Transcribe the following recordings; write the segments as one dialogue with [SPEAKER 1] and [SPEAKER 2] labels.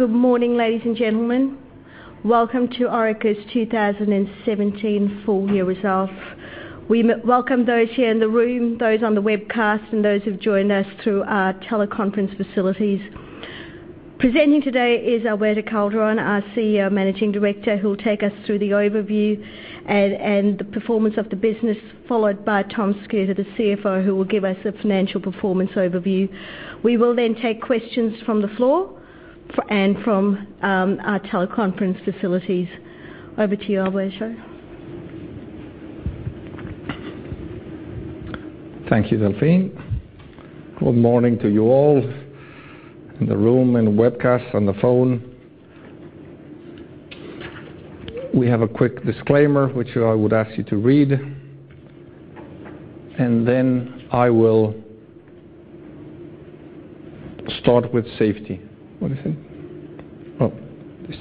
[SPEAKER 1] Good morning, ladies and gentlemen. Welcome to Orica's 2017 full year results. We welcome those here in the room, those on the webcast, and those who've joined us through our teleconference facilities. Presenting today is Alberto Calderon, our CEO Managing Director, who will take us through the overview and the performance of the business, followed by Thomas Schutte, the CFO, who will give us the financial performance overview. We will then take questions from the floor and from our teleconference facilities. Over to you, Alberto.
[SPEAKER 2] Thank you, Delphine. Good morning to you all in the room, and the webcast, on the phone. We have a quick disclaimer, which I would ask you to read. Then I will start with safety. What is it? Oh, this.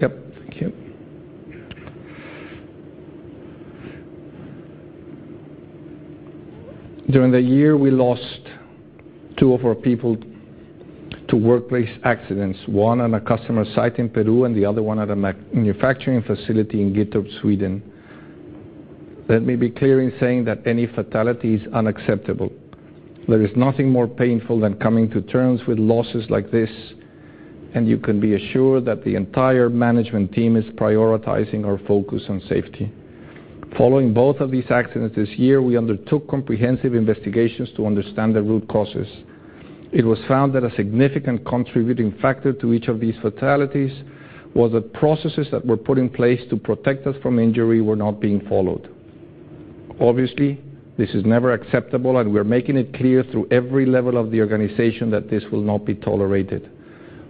[SPEAKER 2] Yep, thank you. During the year, we lost two of our people to workplace accidents, one on a customer site in Peru and the other one at a manufacturing facility in Gyttorp, Sweden. Let me be clear in saying that any fatality is unacceptable. There is nothing more painful than coming to terms with losses like this. You can be assured that the entire management team is prioritizing our focus on safety. Following both of these accidents this year, we undertook comprehensive investigations to understand the root causes. It was found that a significant contributing factor to each of these fatalities was that processes that were put in place to protect us from injury were not being followed. Obviously, this is never acceptable. We're making it clear through every level of the organization that this will not be tolerated.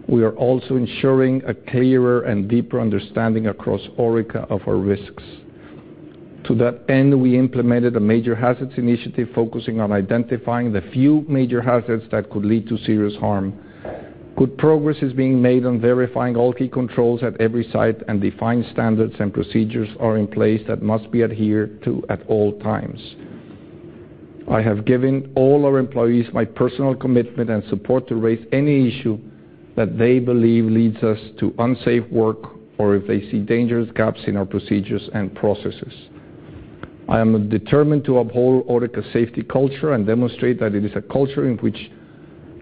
[SPEAKER 2] We are also ensuring a clearer and deeper understanding across Orica of our risks. To that end, we implemented a Major Hazards Initiative focusing on identifying the few major hazards that could lead to serious harm. Good progress is being made on verifying all key controls at every site. Defined standards and procedures are in place that must be adhered to at all times. I have given all our employees my personal commitment and support to raise any issue that they believe leads us to unsafe work or if they see dangerous gaps in our procedures and processes. I am determined to uphold Orica's safety culture and demonstrate that it is a culture in which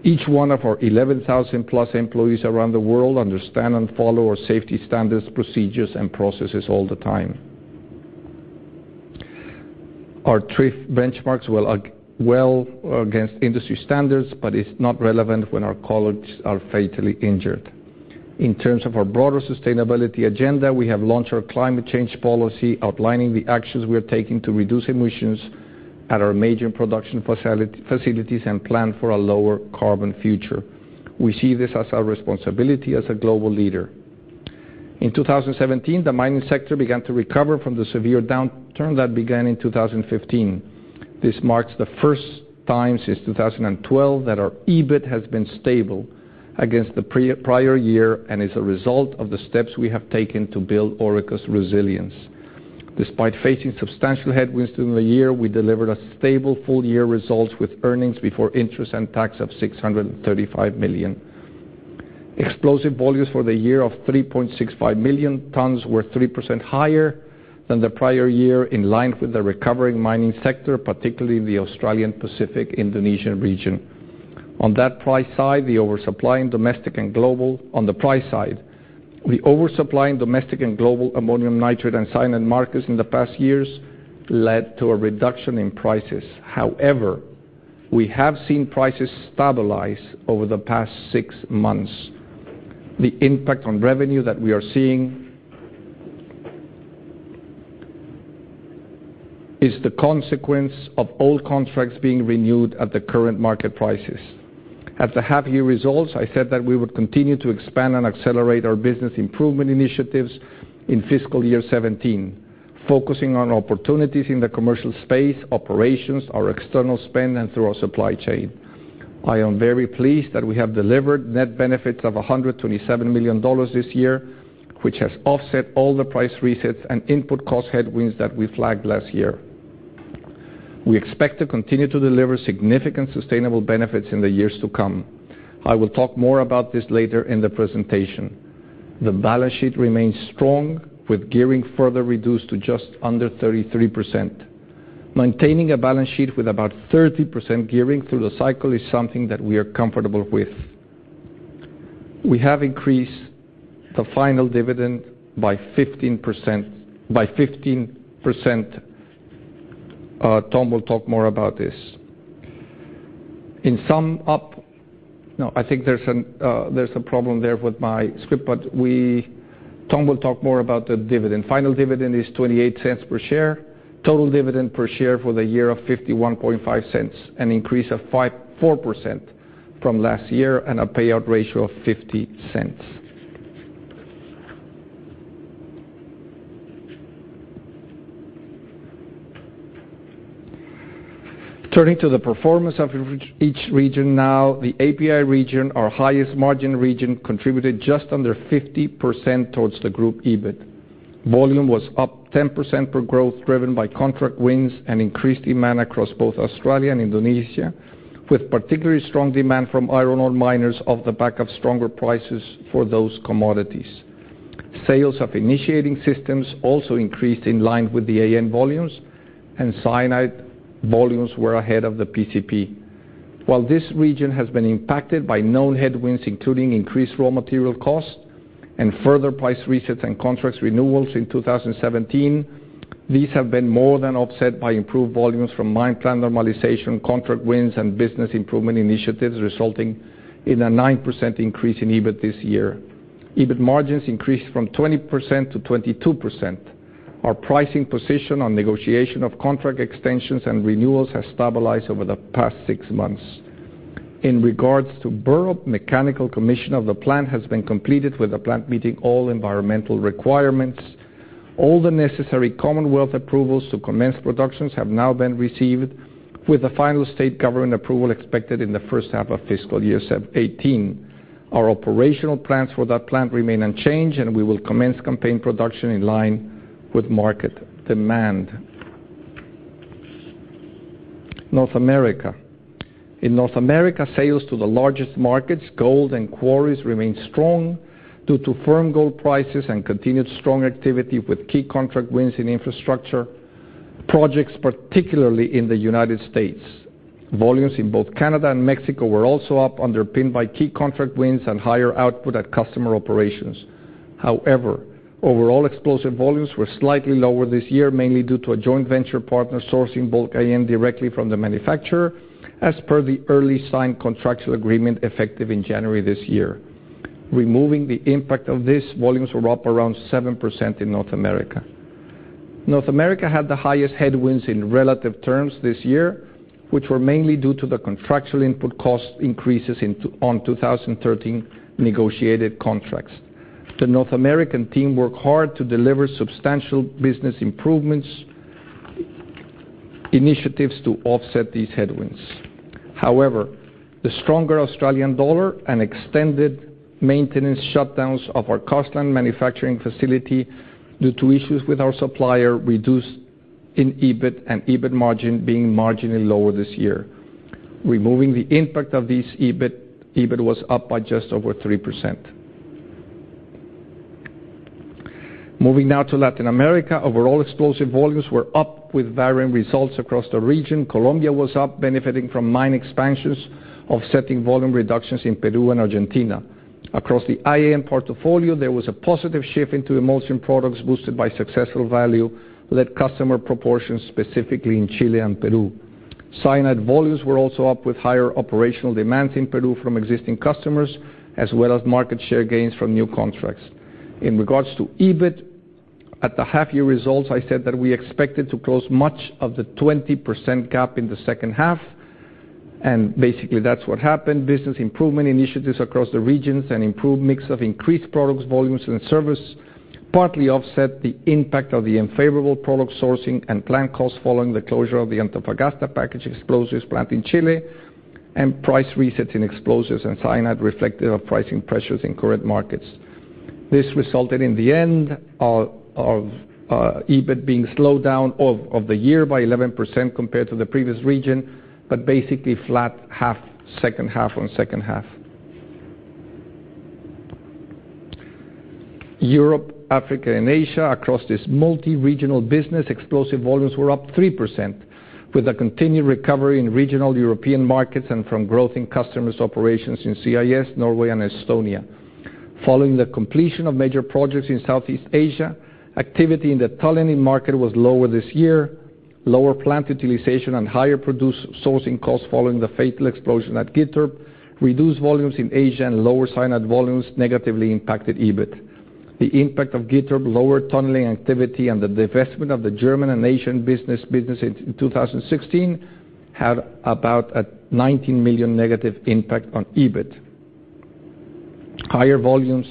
[SPEAKER 2] each one of our 11,000-plus employees around the world understand and follow our safety standards, procedures, and processes all the time. Our TRIFR benchmarks were well against industry standards. It's not relevant when our colleagues are fatally injured. In terms of our broader sustainability agenda, we have launched our Climate Change Policy outlining the actions we are taking to reduce emissions at our major production facilities and plan for a lower carbon future. We see this as our responsibility as a global leader. In 2017, the mining sector began to recover from the severe downturn that began in 2015. This marks the first time since 2012 that our EBIT has been stable against the prior year and is a result of the steps we have taken to build Orica's resilience. Despite facing substantial headwinds during the year, we delivered a stable full-year result with earnings before interest and tax of 635 million. Explosive volumes for the year of 3.65 million tons were 3% higher than the prior year, in line with the recovering mining sector, particularly in the Australian, Pacific, Indonesian region. On the price side, the oversupply in domestic and global ammonium nitrate and cyanide markets in the past years led to a reduction in prices. However, we have seen prices stabilize over the past six months. The impact on revenue that we are seeing is the consequence of old contracts being renewed at the current market prices. At the half-year results, I said that we would continue to expand and accelerate our business improvement initiatives in fiscal year 2017, focusing on opportunities in the commercial space, operations, our external spend, and through our supply chain. I am very pleased that we have delivered net benefits of 127 million dollars this year, which has offset all the price resets and input cost headwinds that we flagged last year. We expect to continue to deliver significant sustainable benefits in the years to come. I will talk more about this later in the presentation. The balance sheet remains strong, with gearing further reduced to just under 33%. Maintaining a balance sheet with about 30% gearing through the cycle is something that we are comfortable with. We have increased the final dividend by 15%. Tom will talk more about this. Tom will talk more about the dividend. Final dividend is 0.28 per share. Total dividend per share for the year of 0.515, an increase of 4% from last year, and a payout ratio of 0.50. Turning to the performance of each region now. The API region, our highest margin region, contributed just under 50% towards the group EBIT. Volume was up 10% per growth, driven by contract wins and increased demand across both Australia and Indonesia, with particularly strong demand from iron ore miners off the back of stronger prices for those commodities. Sales of initiating systems also increased in line with the AN volumes, and cyanide volumes were ahead of the PCP. While this region has been impacted by known headwinds, including increased raw material costs and further price resets and contract renewals in 2017, these have been more than offset by improved volumes from mine plant normalization, contract wins, and business improvement initiatives, resulting in a 9% increase in EBIT this year. EBIT margins increased from 20%-22%. Our pricing position on negotiation of contract extensions and renewals has stabilized over the past six months. In regards to Burrup, mechanical commission of the plant has been completed with the plant meeting all environmental requirements. All the necessary Commonwealth approvals to commence production have now been received, with the final state government approval expected in the first half of fiscal year 2018. Our operational plans for that plant remain unchanged, and we will commence campaign production in line with market demand. North America. In North America, sales to the largest markets, gold and quarries, remain strong due to firm gold prices and continued strong activity with key contract wins in infrastructure projects, particularly in the U.S. Volumes in both Canada and Mexico were also up, underpinned by key contract wins and higher output at customer operations. Overall explosive volumes were slightly lower this year, mainly due to a joint venture partner sourcing bulk AN directly from the manufacturer as per the early signed contractual agreement effective in January this year. Removing the impact of this, volumes were up around 7% in North America. North America had the highest headwinds in relative terms this year, which were mainly due to the contractual input cost increases on 2013 negotiated contracts. The North American team worked hard to deliver substantial business improvements initiatives to offset these headwinds. The stronger Australian dollar and extended maintenance shutdowns of our Carseland manufacturing facility due to issues with our supplier reduced EBIT and EBIT margin, being marginally lower this year. Removing the impact of this, EBIT was up by just over 3%. Moving now to Latin America. Overall explosive volumes were up with varying results across the region. Colombia was up, benefiting from mine expansions, offsetting volume reductions in Peru and Argentina. Across the IAM portfolio, there was a positive shift into emulsion products boosted by successful value-led customer propositions, specifically in Chile and Peru. Cyanide volumes were also up with higher operational demands in Peru from existing customers, as well as market share gains from new contracts. In regards to EBIT, at the half year results, I said that we expected to close much of the 20% gap in the second half, basically that's what happened. Business improvement initiatives across the regions and improved mix of increased products, volumes, and service partly offset the impact of the unfavorable product sourcing and plant cost following the closure of the Antofagasta packaged explosives plant in Chile, and price resets in explosives and cyanide reflective of pricing pressures in current markets. This resulted in EBIT being slowed down for the year by 11% compared to the previous year, but basically flat second half on second half. Europe, Africa, and Asia. Across this multi-regional business, explosive volumes were up 3%, with a continued recovery in regional European markets and from growth in customers' operations in CIS, Norway, and Estonia. Following the completion of major projects in Southeast Asia, activity in the tunneling market was lower this year. Lower plant utilization and higher produced sourcing costs following the fatal explosion at Gyttorp, reduced volumes in Asia, and lower cyanide volumes negatively impacted EBIT. The impact of Gyttorp lowered tunneling activity, and the divestment of the German and Asian business in 2016 had about a 19 million negative impact on EBIT. Higher volumes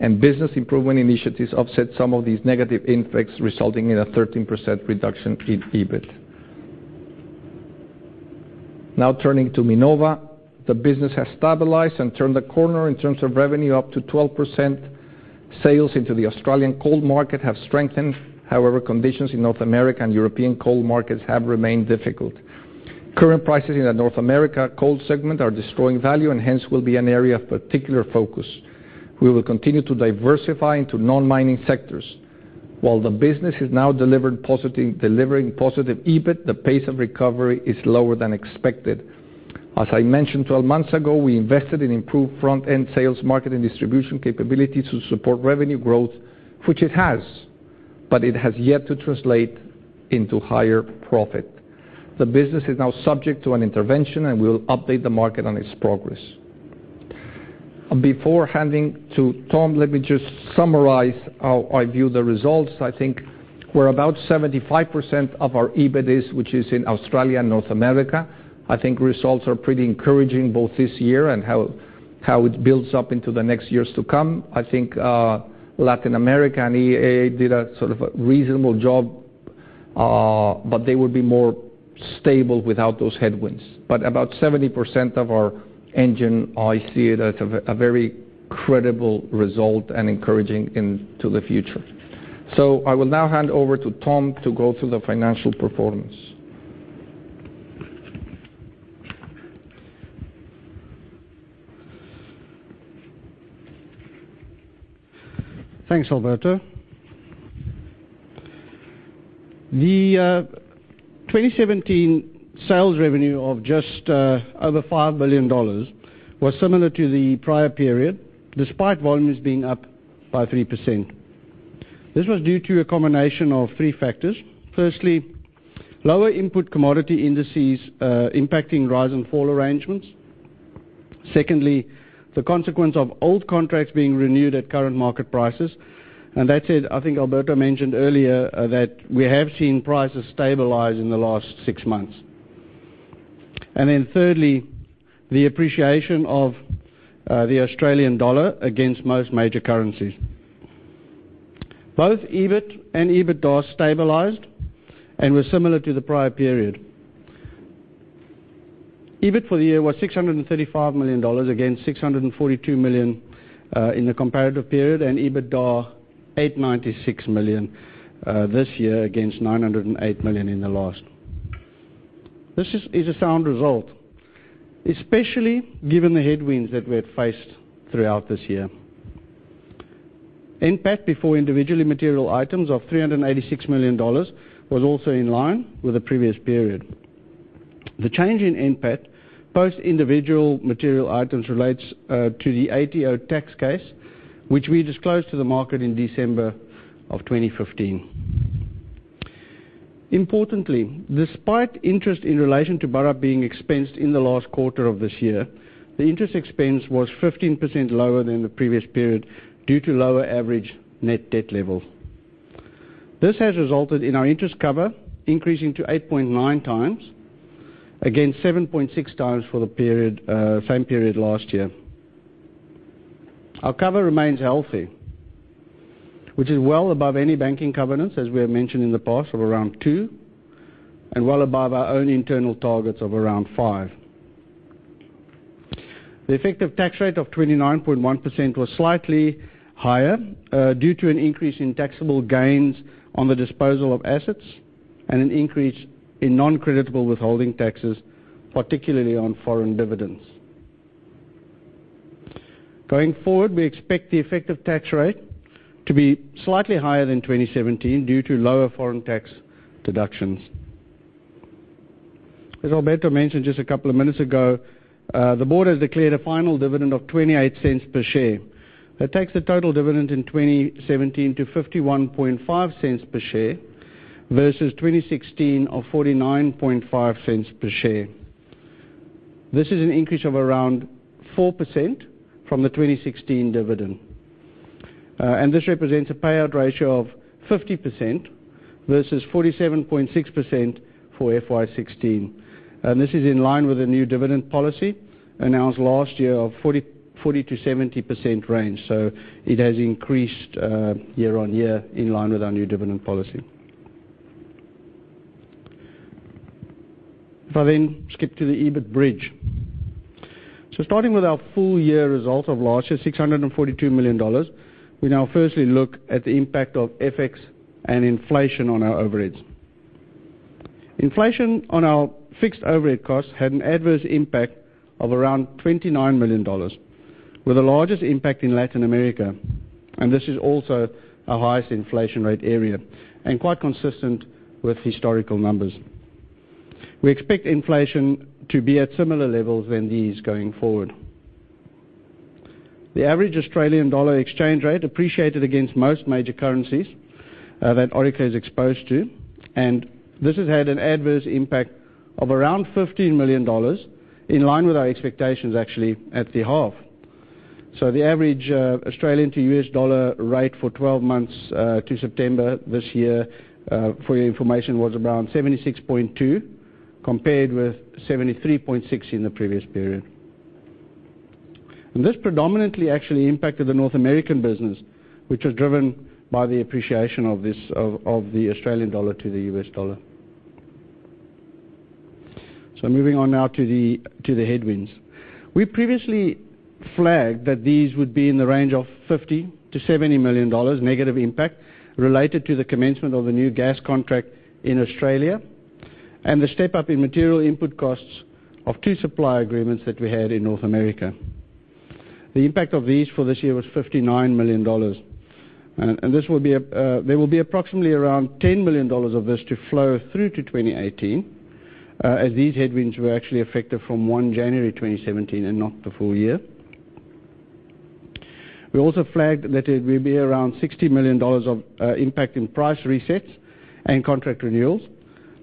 [SPEAKER 2] and business improvement initiatives offset some of these negative impacts, resulting in a 13% reduction in EBIT. Now turning to Minova. The business has stabilized and turned the corner in terms of revenue up to 12%. Sales into the Australian coal market have strengthened. Conditions in North America and European coal markets have remained difficult. Current prices in the North America coal segment are destroying value and hence will be an area of particular focus. We will continue to diversify into non-mining sectors. While the business is now delivering positive EBIT, the pace of recovery is lower than expected. As I mentioned 12 months ago, we invested in improved front-end sales, marketing, and distribution capabilities to support revenue growth, which it has, but it has yet to translate into higher profit. The business is now subject to an intervention, and we will update the market on its progress. Before handing to Tom, let me just summarize how I view the results. I think we are about 75% of our EBITI, which is in Australia and North America. I think results are pretty encouraging both this year and how it builds up into the next years to come. I think Latin America and EMEA did a reasonable job. They would be more stable without those headwinds. About 70% of our engine, I see it as a very credible result and encouraging into the future. I will now hand over to Tom to go through the financial performance.
[SPEAKER 3] Thanks, Alberto. The 2017 sales revenue of just over 5 billion dollars was similar to the prior period, despite volumes being up by 3%. This was due to a combination of three factors. Firstly, lower input commodity indices impacting rise and fall arrangements. Secondly, the consequence of old contracts being renewed at current market prices. That said, I think Alberto mentioned earlier that we have seen prices stabilize in the last six months. Then thirdly, the appreciation of the Australian dollar against most major currencies. Both EBIT and EBITDA stabilized and were similar to the prior period. EBIT for the year was 635 million dollars against 642 million in the comparative period, and EBITDA 896 million this year against 908 million in the last. This is a sound result, especially given the headwinds that we have faced throughout this year. NPAT, before individually material items, of 386 million dollars was also in line with the previous period. The change in NPAT, post individual material items, relates to the ATO tax case, which we disclosed to the market in December of 2015. Importantly, despite interest in relation to Burrup being expensed in the last quarter of this year, the interest expense was 15% lower than the previous period due to lower average net debt levels. This has resulted in our interest cover increasing to 8.9 times, against 7.6 times for the same period last year. Our cover remains healthy, which is well above any banking covenants, as we have mentioned in the past, of around two, and well above our own internal targets of around five. The effective tax rate of 29.1% was slightly higher due to an increase in taxable gains on the disposal of assets and an increase in non-creditable withholding taxes, particularly on foreign dividends. Going forward, we expect the effective tax rate to be slightly higher than 2017 due to lower foreign tax deductions. As Alberto mentioned just a couple of minutes ago, the board has declared a final dividend of 0.28 per share. That takes the total dividend in 2017 to 0.515 per share versus 2016 of 0.495 per share. This is an increase of around 4% from the 2016 dividend. This represents a payout ratio of 50% versus 47.6% for FY 2016. This is in line with the new dividend policy announced last year of 40%-70% range. It has increased year on year in line with our new dividend policy. If I then skip to the EBIT bridge. Starting with our full year result of last year, 642 million dollars, we now firstly look at the impact of FX and inflation on our overheads. Inflation on our fixed overhead costs had an adverse impact of around 29 million dollars, with the largest impact in Latin America, and this is also our highest inflation rate area and quite consistent with historical numbers. We expect inflation to be at similar levels than these going forward. The average Australian dollar exchange rate appreciated against most major currencies that Orica is exposed to, and this has had an adverse impact of around 15 million dollars, in line with our expectations actually at the half. The average Australian to US dollar rate for 12 months to September this year, for your information, was around 76.2, compared with 73.6 in the previous period. This predominantly actually impacted the North American business, which was driven by the appreciation of the Australian dollar to the US dollar. Moving on now to the headwinds. We previously flagged that these would be in the range of 50 million-70 million dollars negative impact related to the commencement of the new gas contract in Australia and the step-up in material input costs of two supply agreements that we had in North America. The impact of these for this year was 59 million dollars. There will be approximately around 10 million dollars of this to flow through to 2018, as these headwinds were actually effective from 1 January 2017 and not the full year. We also flagged that it will be around 60 million dollars of impact in price resets and contract renewals,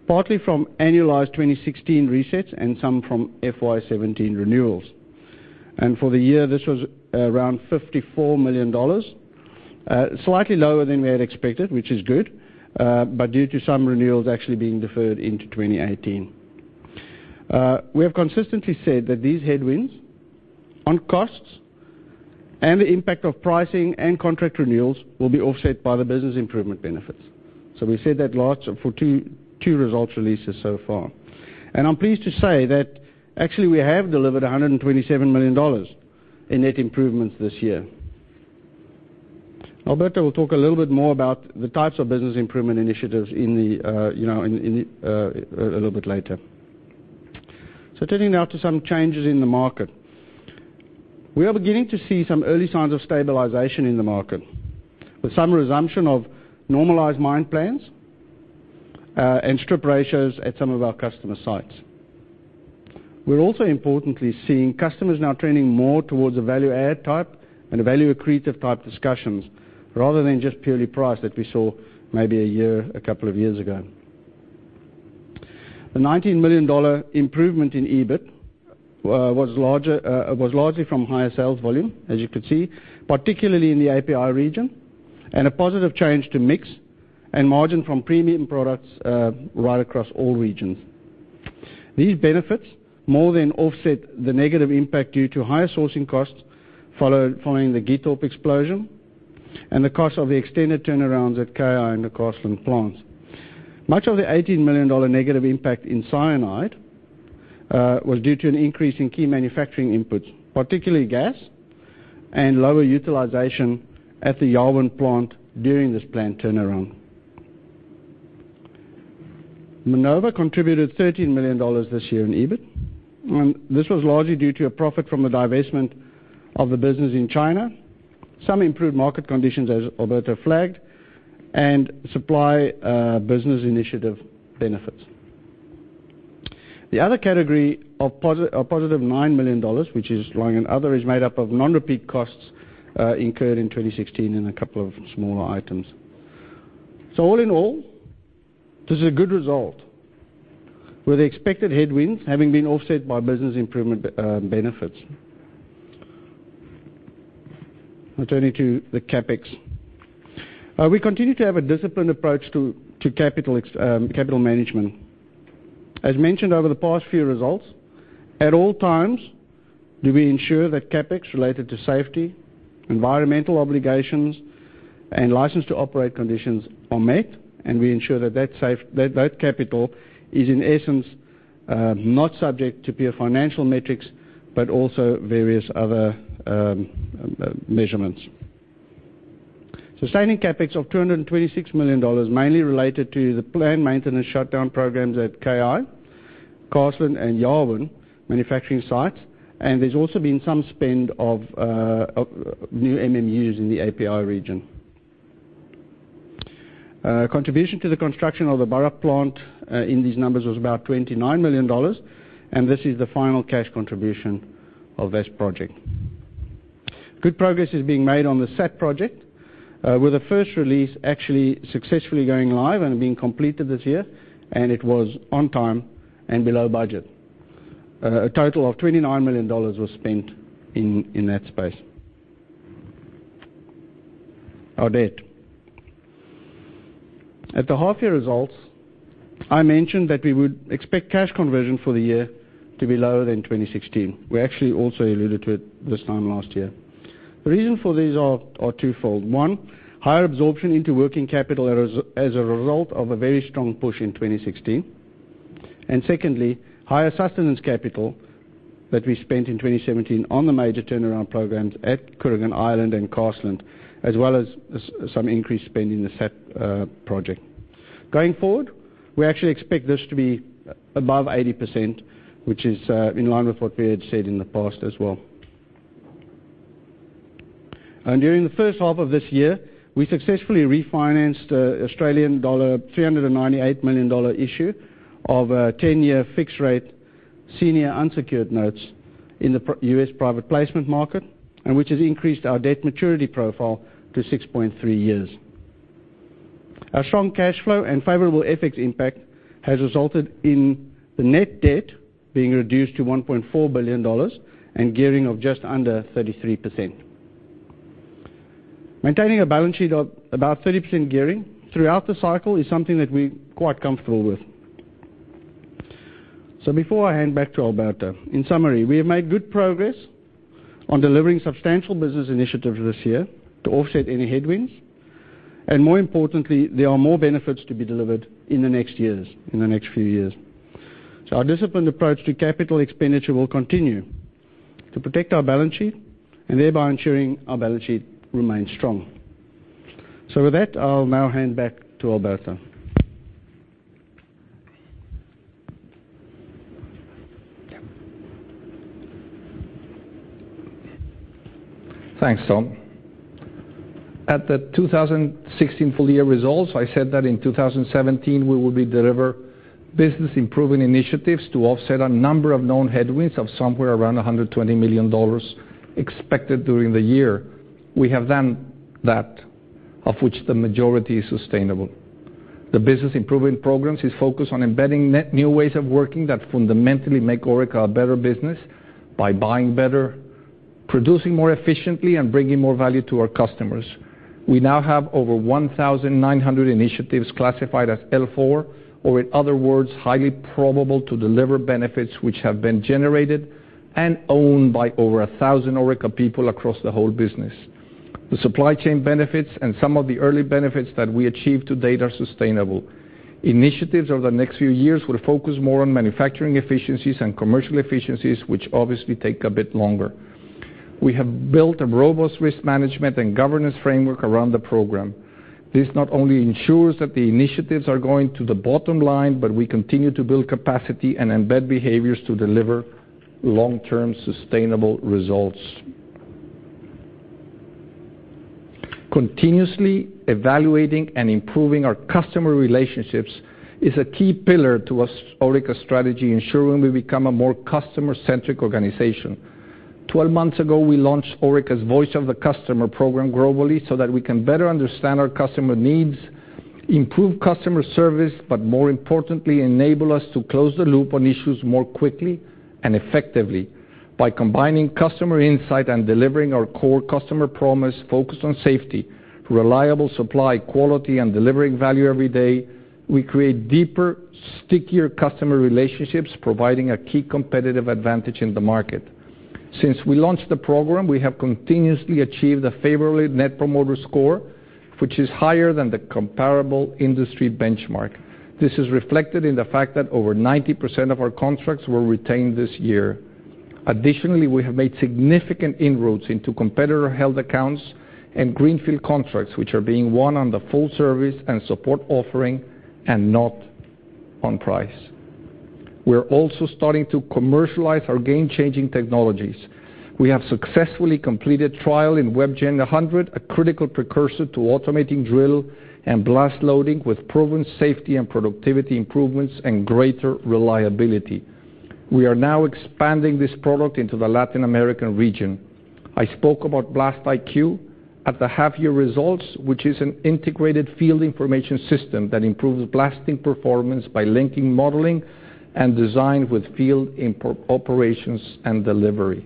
[SPEAKER 3] partly from annualized 2016 resets and some from FY 2017 renewals. For the year, this was around 54 million dollars. Slightly lower than we had expected, which is good, but due to some renewals actually being deferred into 2018. We have consistently said that these headwinds on costs and the impact of pricing and contract renewals will be offset by the business improvement benefits. We said that for two results releases so far. I am pleased to say that actually we have delivered 127 million dollars in net improvements this year. Alberto will talk a little bit more about the types of business improvement initiatives a little bit later. Turning now to some changes in the market. We are beginning to see some early signs of stabilization in the market, with some resumption of normalized mine plans and strip ratios at some of our customer sites. We're also importantly seeing customers now trending more towards a value-add type and a value-accretive type discussions rather than just purely price that we saw maybe a year, a couple of years ago. The 19 million dollar improvement in EBIT was largely from higher sales volume, as you could see, particularly in the API region, and a positive change to mix and margin from premium products right across all regions. These benefits more than offset the negative impact due to higher sourcing costs following the Gyttorp explosion and the cost of the extended turnarounds at KI and the Carseland plants. Much of the 18 million dollar negative impact in cyanide was due to an increase in key manufacturing inputs, particularly gas, and lower utilization at the Yarwun plant during this plant turnaround. Minova contributed 13 million dollars this year in EBIT. This was largely due to a profit from the divestment of the business in China, some improved market conditions as Alberto flagged, and supply business initiative benefits. The other category of positive 9 million dollars, which is lying in other, is made up of non-repeat costs incurred in 2016 and a couple of smaller items. All in all, this is a good result, with the expected headwinds having been offset by business improvement benefits. Now turning to the CapEx. We continue to have a disciplined approach to capital management. As mentioned over the past few results, at all times do we ensure that CapEx related to safety, environmental obligations, and license to operate conditions are met, and we ensure that that capital is in essence not subject to pure financial metrics, but also various other measurements. Sustaining CapEx of 226 million dollars mainly related to the planned maintenance shutdown programs at KI, Carseland, and Yarwun manufacturing sites. There's also been some spend of new MMUs in the API region. Contribution to the construction of the Burrup plant in these numbers was about 29 million dollars, and this is the final cash contribution of this project. Good progress is being made on the SAP project, with the first release actually successfully going live and being completed this year. It was on time and below budget. A total of 29 million dollars was spent in that space. Our debt. At the half-year results, I mentioned that we would expect cash conversion for the year to be lower than 2016. We actually also alluded to it this time last year. The reason for this are twofold. One, higher absorption into working capital as a result of a very strong push in 2016. Secondly, higher sustenance capital that we spent in 2017 on the major turnaround programs at Kooragang Island and Carseland, as well as some increased spend in the SAP project. Going forward, we actually expect this to be above 80%, which is in line with what we had said in the past as well. During the first half of this year, we successfully refinanced Australian dollar 398 million issue of a 10-year fixed rate senior unsecured notes in the U.S. private placement market, which has increased our debt maturity profile to 6.3 years. Our strong cash flow and favorable FX impact has resulted in the net debt being reduced to 1.4 billion dollars and gearing of just under 33%. Maintaining a balance sheet of about 30% gearing throughout the cycle is something that we're quite comfortable with. Before I hand back to Alberto, in summary, we have made good progress on delivering substantial business initiatives this year to offset any headwinds. More importantly, there are more benefits to be delivered in the next years, in the next few years. Our disciplined approach to capital expenditure will continue to protect our balance sheet and thereby ensuring our balance sheet remains strong. With that, I'll now hand back to Alberto.
[SPEAKER 2] Thanks, Tom. At the 2016 full year results, I said that in 2017 we will be deliver business improvement initiatives to offset a number of known headwinds of somewhere around 120 million dollars expected during the year. We have done that, of which the majority is sustainable. The business improvement programs is focused on embedding new ways of working that fundamentally make Orica a better business by buying better- Producing more efficiently and bringing more value to our customers. We now have over 1,900 initiatives classified as L4, or in other words, highly probable to deliver benefits which have been generated and owned by over 1,000 Orica people across the whole business. The supply chain benefits and some of the early benefits that we achieved to date are sustainable. Initiatives over the next few years will focus more on manufacturing efficiencies and commercial efficiencies, which obviously take a bit longer. We have built a robust risk management and governance framework around the program. This not only ensures that the initiatives are going to the bottom line, but we continue to build capacity and embed behaviors to deliver long-term sustainable results. Continuously evaluating and improving our customer relationships is a key pillar to us, Orica strategy, ensuring we become a more customer-centric organization. 12 months ago, we launched Orica's Voice of the Customer program globally so that we can better understand our customer needs, improve customer service, but more importantly, enable us to close the loop on issues more quickly and effectively by combining customer insight and delivering our core customer promise focused on safety, reliable supply, quality, and delivering value every day. We create deeper, stickier customer relationships providing a key competitive advantage in the market. Since we launched the program, we have continuously achieved a favorably net promoter score, which is higher than the comparable industry benchmark. This is reflected in the fact that over 90% of our contracts were retained this year. Additionally, we have made significant inroads into competitor-held accounts and greenfield contracts, which are being won on the full service and support offering and not on price. We're also starting to commercialize our game-changing technologies. We have successfully completed trial in WebGen 100, a critical precursor to automating drill and blast loading with proven safety and productivity improvements and greater reliability. We are now expanding this product into the Latin American region. I spoke about BlastIQ at the half-year results, which is an integrated field information system that improves blasting performance by linking modeling and design with field operations and delivery.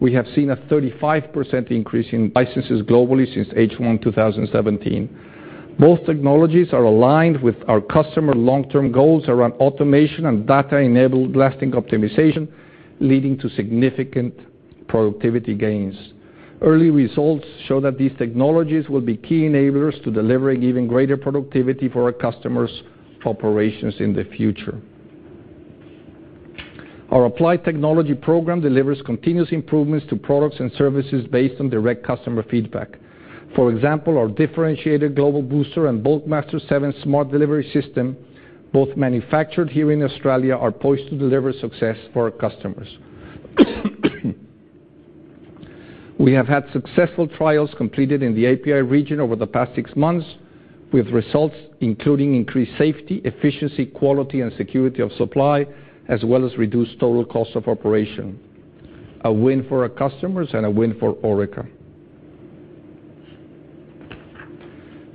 [SPEAKER 2] We have seen a 35% increase in licenses globally since H1 2017. Both technologies are aligned with our customer long-term goals around automation and data-enabled blasting optimization, leading to significant productivity gains. Early results show that these technologies will be key enablers to delivering even greater productivity for our customers' operations in the future. Our applied technology program delivers continuous improvements to products and services based on direct customer feedback. For example, our differentiated Global Booster and Bulkmaster 7 smart delivery system, both manufactured here in Australia, are poised to deliver success for our customers. We have had successful trials completed in the API region over the past six months with results including increased safety, efficiency, quality, and security of supply, as well as reduced total cost of operation. A win for our customers and a win for Orica.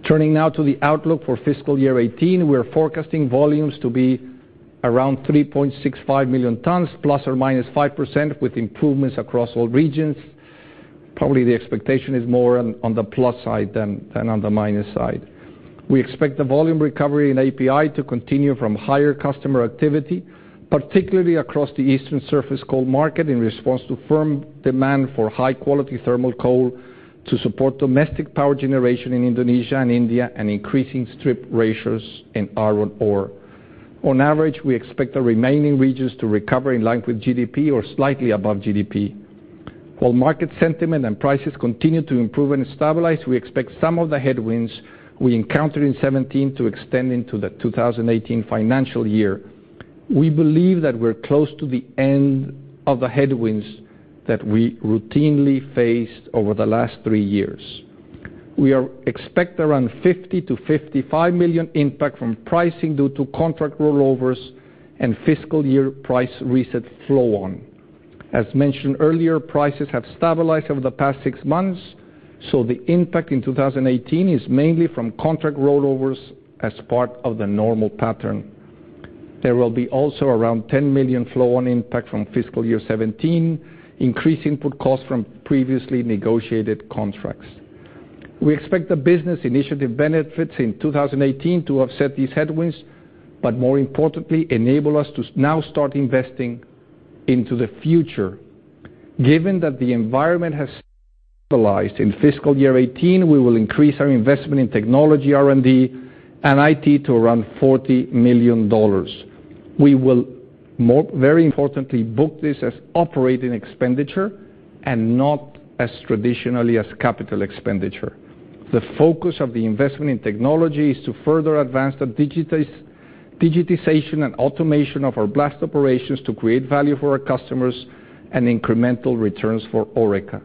[SPEAKER 2] Turning now to the outlook for fiscal year 2018. We are forecasting volumes to be around 3.65 million tons ±5% with improvements across all regions. Probably the expectation is more on the plus side than on the minus side. We expect the volume recovery in API to continue from higher customer activity, particularly across the eastern surface coal market in response to firm demand for high-quality thermal coal to support domestic power generation in Indonesia and India and increasing strip ratios in iron ore. On average, we expect the remaining regions to recover in line with GDP or slightly above GDP. While market sentiment and prices continue to improve and stabilize, we expect some of the headwinds we encountered in 2017 to extend into the 2018 financial year. We believe that we're close to the end of the headwinds that we routinely faced over the last three years. We expect around 50 million-55 million impact from pricing due to contract rollovers and fiscal year price reset flow on. As mentioned earlier, prices have stabilized over the past six months, so the impact in 2018 is mainly from contract rollovers as part of the normal pattern. There will be also around 10 million flow on impact from fiscal year 2017, increase input costs from previously negotiated contracts. We expect the business initiative benefits in 2018 to offset these headwinds, but more importantly, enable us to now start investing into the future. Given that the environment has stabilized in fiscal year 2018, we will increase our investment in technology R&D and IT to around 40 million dollars. We will very importantly book this as operating expenditure and not as traditionally as capital expenditure. The focus of the investment in technology is to further advance the digitization and automation of our blast operations to create value for our customers and incremental returns for Orica.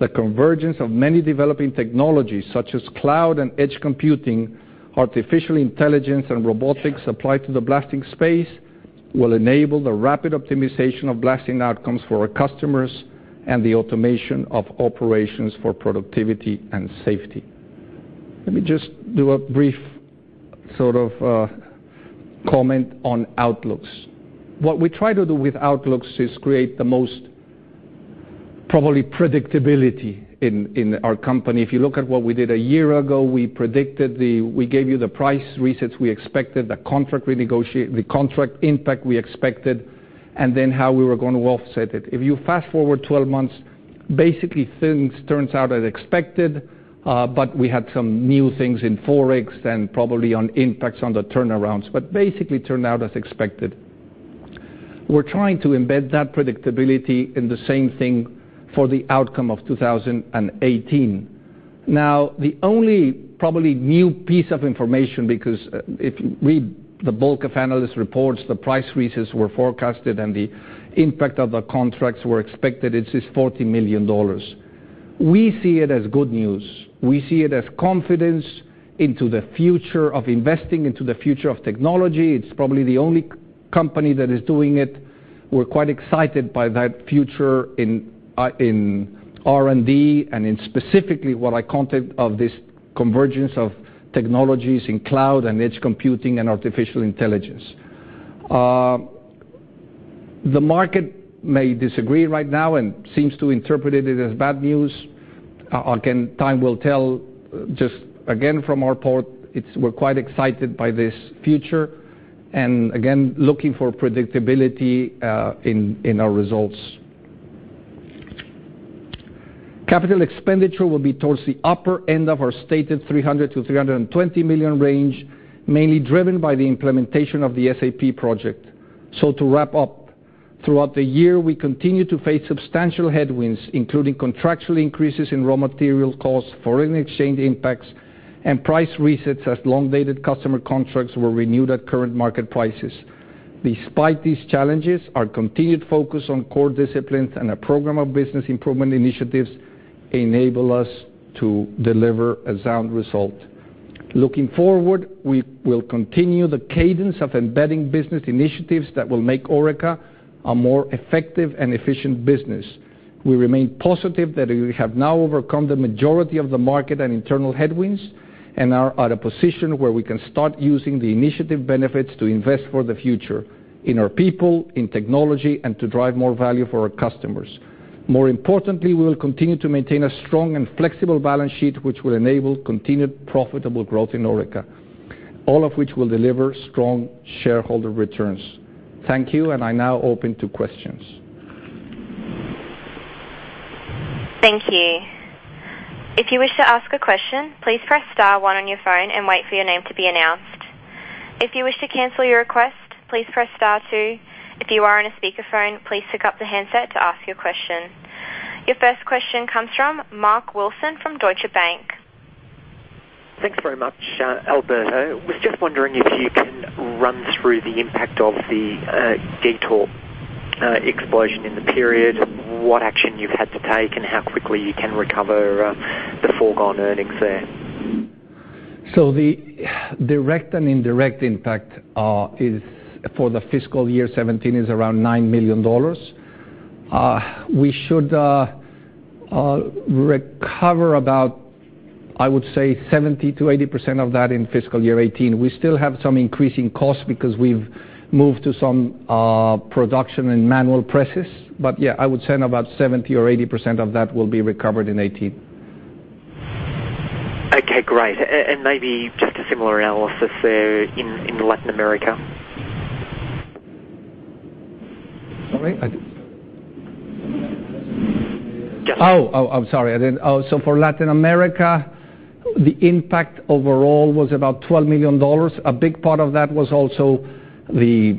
[SPEAKER 2] The convergence of many developing technologies such as cloud and edge computing, artificial intelligence, and robotics applied to the blasting space will enable the rapid optimization of blasting outcomes for our customers and the automation of operations for productivity and safety. Let me just do a brief comment on outlooks. What we try to do with outlooks is create the most predictability in our company. If you look at what we did a year ago, we gave you the price resets we expected, the contract impact we expected, how we were going to offset it. If you fast-forward 12 months, basically things turned out as expected, we had some new things in Forex and probably on impacts on the turnarounds, basically turned out as expected. We're trying to embed that predictability in the same thing for the outcome of 2018. The only probably new piece of information, because if you read the bulk of analyst reports, the price resets were forecasted and the impact of the contracts were expected. It's just 40 million dollars. We see it as good news. We see it as confidence into the future of investing, into the future of technology. It's probably the only company that is doing it. We're quite excited by that future in R&D and in specifically what I counted of this convergence of technologies in cloud and edge computing and artificial intelligence. The market may disagree right now and seems to interpret it as bad news. Again, time will tell. Just again, from our part, we're quite excited by this future and again, looking for predictability in our results. Capital expenditure will be towards the upper end of our stated 300 million-320 million range, mainly driven by the implementation of the SAP project. To wrap up, throughout the year, we continued to face substantial headwinds, including contractual increases in raw material costs, foreign exchange impacts, and price resets as long-dated customer contracts were renewed at current market prices. Despite these challenges, our continued focus on core disciplines and a program of business improvement initiatives enable us to deliver a sound result. Looking forward, we will continue the cadence of embedding business initiatives that will make Orica a more effective and efficient business. We remain positive that we have now overcome the majority of the market and internal headwinds and are at a position where we can start using the initiative benefits to invest for the future, in our people, in technology, and to drive more value for our customers. More importantly, we will continue to maintain a strong and flexible balance sheet, which will enable continued profitable growth in Orica, all of which will deliver strong shareholder returns. Thank you. I now open to questions.
[SPEAKER 4] Thank you. If you wish to ask a question, please press star one on your phone and wait for your name to be announced. If you wish to cancel your request, please press star two. If you are on a speakerphone, please pick up the handset to ask your question. Your first question comes from Mark Wilson from Deutsche Bank.
[SPEAKER 5] Thanks very much, Alberto. Was just wondering if you can run through the impact of the detonator explosion in the period, what action you've had to take, and how quickly you can recover the foregone earnings there.
[SPEAKER 2] The direct and indirect impact for the fiscal year 2017 is around 9 million dollars. We should recover about, I would say, 70%-80% of that in fiscal year 2018. We still have some increasing costs because we've moved to some production and manual presses. Yeah, I would say about 70% or 80% of that will be recovered in 2018.
[SPEAKER 5] Okay, great. Maybe just a similar analysis there in Latin America.
[SPEAKER 2] Sorry? Oh, I'm sorry. For Latin America, the impact overall was about 12 million dollars. A big part of that was also the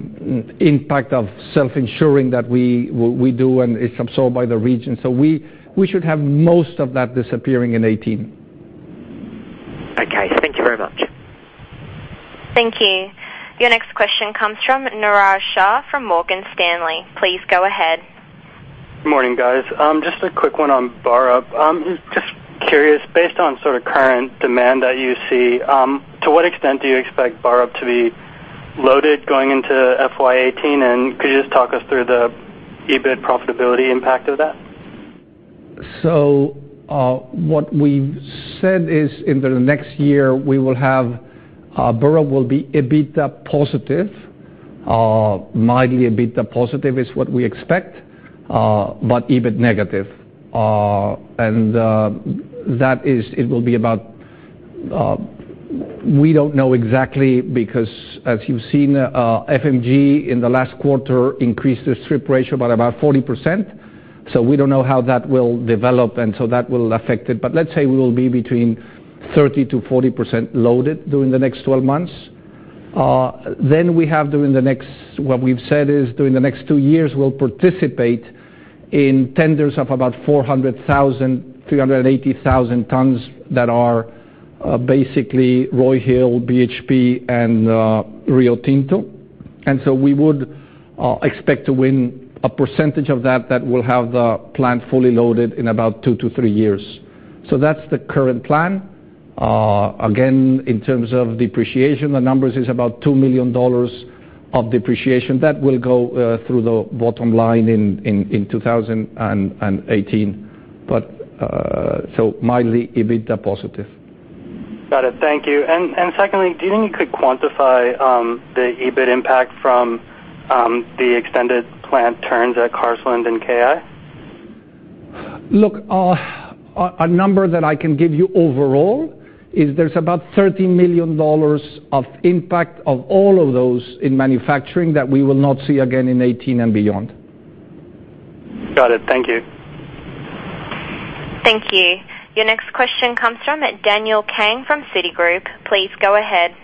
[SPEAKER 2] impact of self-insuring that we do, and it's absorbed by the region. We should have most of that disappearing in 2018.
[SPEAKER 5] Okay, thank you very much.
[SPEAKER 4] Thank you. Your next question comes from Niraj Shah from Morgan Stanley. Please go ahead.
[SPEAKER 6] Good morning, guys. Just a quick one on Burrup. Just curious, based on sort of current demand that you see, to what extent do you expect Burrup to be loaded going into FY 2018? And could you just talk us through the EBIT profitability impact of that?
[SPEAKER 2] What we've said is in the next year, Burrup will be EBITDA positive. Mildly EBITDA positive is what we expect, but EBIT negative. We don't know exactly because, as you've seen, FMG in the last quarter increased their strip ratio by about 40%. We don't know how that will develop, and so that will affect it. Let's say we will be between 30%-40% loaded during the next 12 months. What we've said is during the next two years, we'll participate in tenders of about 400,000, 380,000 tons that are basically Roy Hill, BHP, and Rio Tinto. We would expect to win a percentage of that that will have the plant fully loaded in about two to three years. That's the current plan. Again, in terms of depreciation, the numbers is about 2 million dollars. Of depreciation. That will go through the bottom line in 2018, so mildly EBITDA positive.
[SPEAKER 6] Got it. Thank you. Secondly, do you think you could quantify the EBIT impact from the extended plant turns at Carseland and KI?
[SPEAKER 2] Look, a number that I can give you overall is there is about 30 million dollars of impact of all of those in manufacturing that we will not see again in 2018 and beyond.
[SPEAKER 6] Got it. Thank you.
[SPEAKER 4] Thank you. Your next question comes from Daniel Kang from Citigroup. Please go ahead.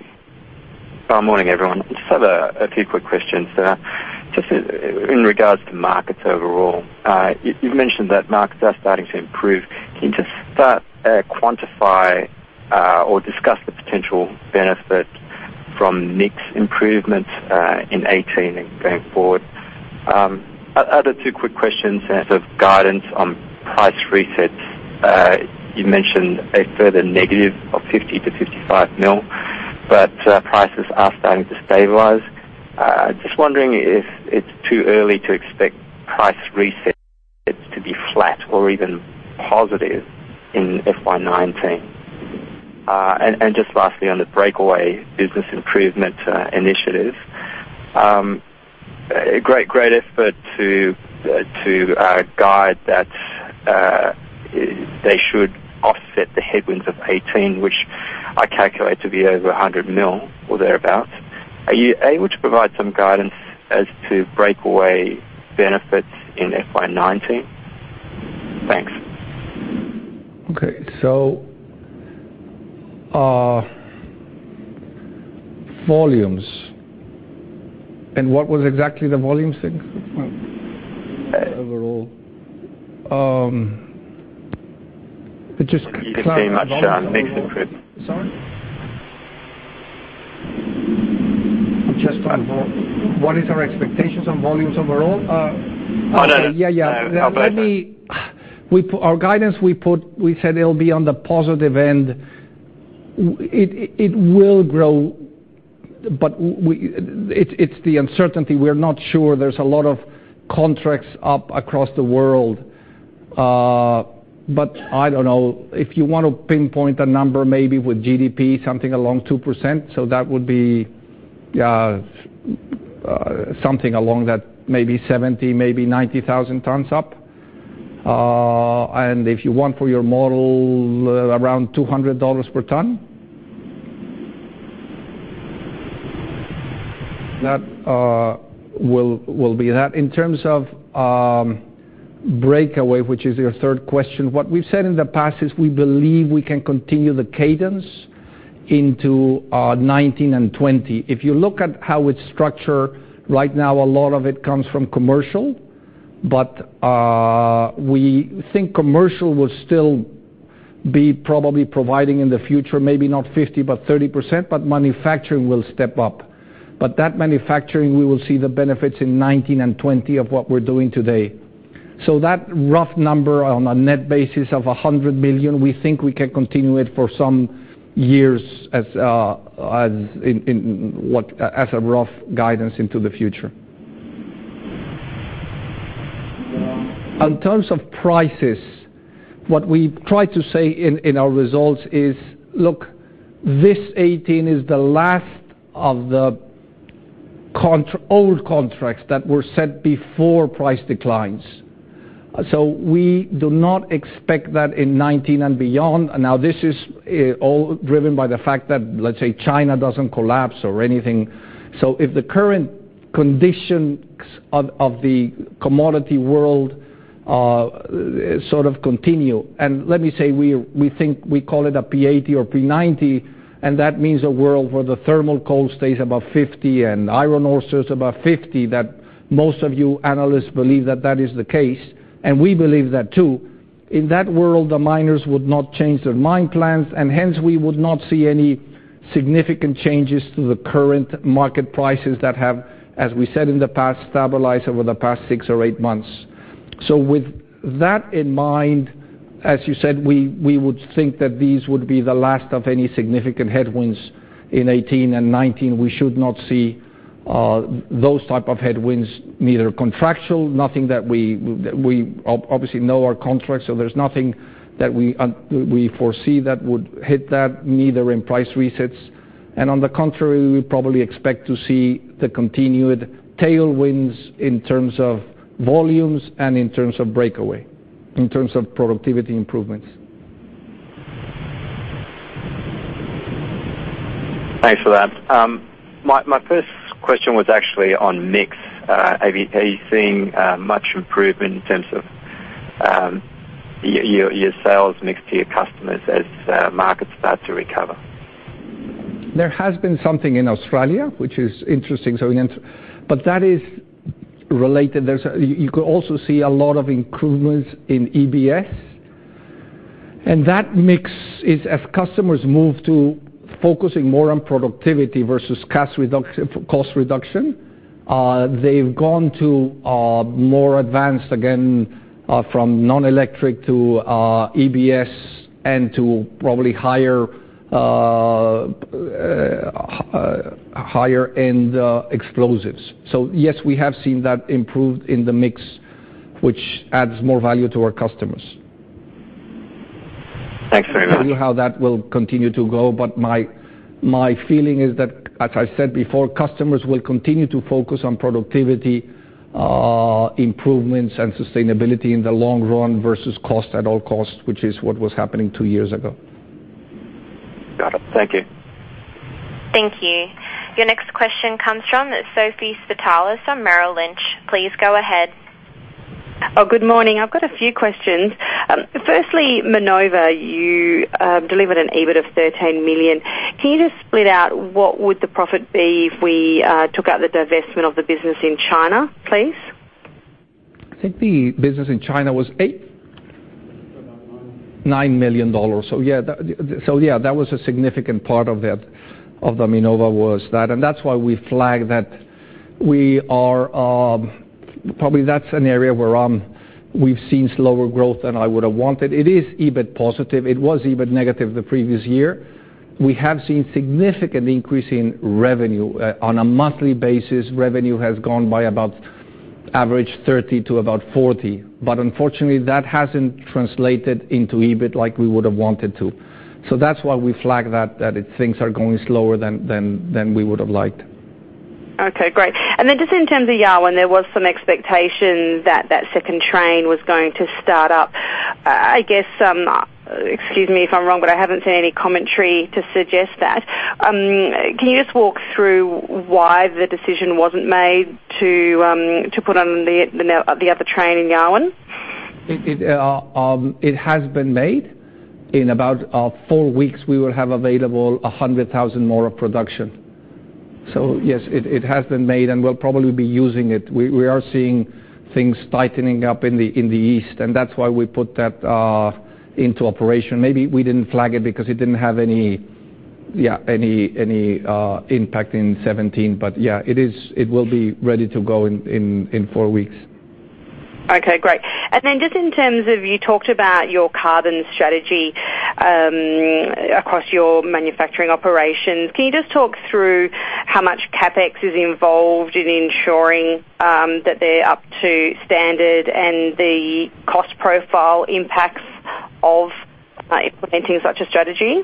[SPEAKER 7] Good morning, everyone. I just have a few quick questions. In regards to markets overall. You've mentioned that markets are starting to improve. Can you quantify or discuss the potential benefit from mix improvements in 2018 and going forward? Other two quick questions of guidance on price resets. You mentioned a further negative of 50 million-55 million, but prices are starting to stabilize. Just wondering if it's too early to expect price resets to be flat or even positive in FY 2019. Just lastly, on the Breakaway business improvement initiative. Great effort to guide that they should offset the headwinds of 2018, which I calculate to be over 100 million or thereabout. Are you able to provide some guidance as to Breakaway benefits in FY 2019? Thanks.
[SPEAKER 2] Okay. Volumes. What was exactly the volumes thing? Overall.
[SPEAKER 7] You could say much mix improvement.
[SPEAKER 2] Sorry. Just overall, what is our expectations on volumes overall?
[SPEAKER 7] No.
[SPEAKER 2] Yeah. Our guidance, we said it'll be on the positive end. It will grow, but it's the uncertainty. We're not sure. There's a lot of contracts up across the world. I don't know, if you want to pinpoint a number, maybe with GDP, something along 2%. That would be something along that maybe 70,000, maybe 90,000 tons up. If you want for your model, around 200 dollars per ton. That will be that. In terms of Project Breakaway, which is your third question, what we've said in the past is we believe we can continue the cadence into 2019 and 2020. If you look at how it's structured, right now, a lot of it comes from commercial, but we think commercial will still be probably providing in the future, maybe not 50%, but 30%, but manufacturing will step up. That manufacturing, we will see the benefits in 2019 and 2020 of what we're doing today. That rough number on a net basis of 100 million, we think we can continue it for some years as a rough guidance into the future. In terms of prices, what we try to say in our results is, look, this 2018 is the last of the old contracts that were set before price declines. We do not expect that in 2019 and beyond. This is all driven by the fact that, let's say, China doesn't collapse or anything. If the current conditions of the commodity world sort of continue, and let me say, we call it a P80 or P90, and that means a world where the thermal coal stays above 50 and iron ore stays above 50, that most of you analysts believe that that is the case, and we believe that too. In that world, the miners would not change their mine plans, and hence, we would not see any significant changes to the current market prices that have, as we said in the past, stabilized over the past six or eight months. With that in mind, as you said, we would think that these would be the last of any significant headwinds in 2018 and 2019. We should not see those type of headwinds, neither contractual, nothing that we obviously know our contracts, so there's nothing that we foresee that would hit that, neither in price resets. On the contrary, we probably expect to see the continued tailwinds in terms of volumes and in terms of Project Breakaway, in terms of productivity improvements.
[SPEAKER 7] Thanks for that. My first question was actually on mix. Are you seeing much improvement in terms of your sales mix to your customers as markets start to recover?
[SPEAKER 2] There has been something in Australia which is interesting. That is related. You could also see a lot of improvements in EBS, that mix is as customers move to focusing more on productivity versus cost reduction. They've gone to more advanced again from non-electric to EBS and to probably higher-end explosives. Yes, we have seen that improved in the mix, which adds more value to our customers.
[SPEAKER 7] Thanks very much. I don't know how that will continue to go, but my feeling is that, as I said before, customers will continue to focus on productivity improvements and sustainability in the long run versus cost at all costs, which is what was happening two years ago. Got it. Thank you.
[SPEAKER 4] Thank you. Your next question comes from Sophie Spartalis from Merrill Lynch. Please go ahead.
[SPEAKER 8] Oh, good morning. I've got a few questions. Firstly, Minova, you delivered an EBIT of 13 million. Can you just split out what would the profit be if we took out the divestment of the business in China, please?
[SPEAKER 2] I think the business in China was
[SPEAKER 6] About nine
[SPEAKER 2] 9 million dollars. Yes, that was a significant part of that, of the Minova was that. That's why we flagged that probably that's an area where we've seen slower growth than I would have wanted. It is EBIT positive. It was EBIT negative the previous year. We have seen significant increase in revenue. On a monthly basis, revenue has gone by about average 30%-40%. Unfortunately, that hasn't translated into EBIT like we would have wanted to. That's why we flagged that things are going slower than we would have liked.
[SPEAKER 8] Okay, great. Then just in terms of Yarwun, there was some expectation that that second train was going to start up. I guess, excuse me if I'm wrong, but I haven't seen any commentary to suggest that. Can you just walk through why the decision wasn't made to put on the other train in Yarwun?
[SPEAKER 2] It has been made. In about four weeks, we will have available 100,000 more of production. Yes, it has been made, and we'll probably be using it. We are seeing things tightening up in the East, and that's why we put that into operation. Maybe we didn't flag it because it didn't have any impact in 2017. Yes, it will be ready to go in four weeks.
[SPEAKER 8] Okay, great. Then just in terms of, you talked about your carbon strategy across your manufacturing operations. Can you just talk through how much CapEx is involved in ensuring that they're up to standard and the cost profile impacts of implementing such a strategy?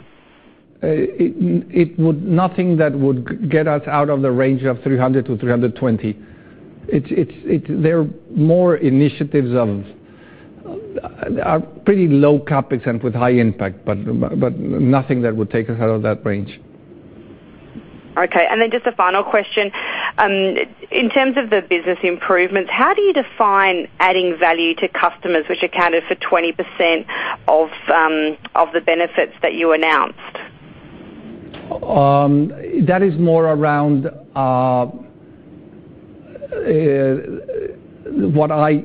[SPEAKER 2] Nothing that would get us out of the range of 300 million-320 million. They're more initiatives of pretty low CapEx and with high impact, nothing that would take us out of that range.
[SPEAKER 8] Okay. Then just a final question. In terms of the business improvements, how do you define adding value to customers, which accounted for 20% of the benefits that you announced?
[SPEAKER 2] That is more around what I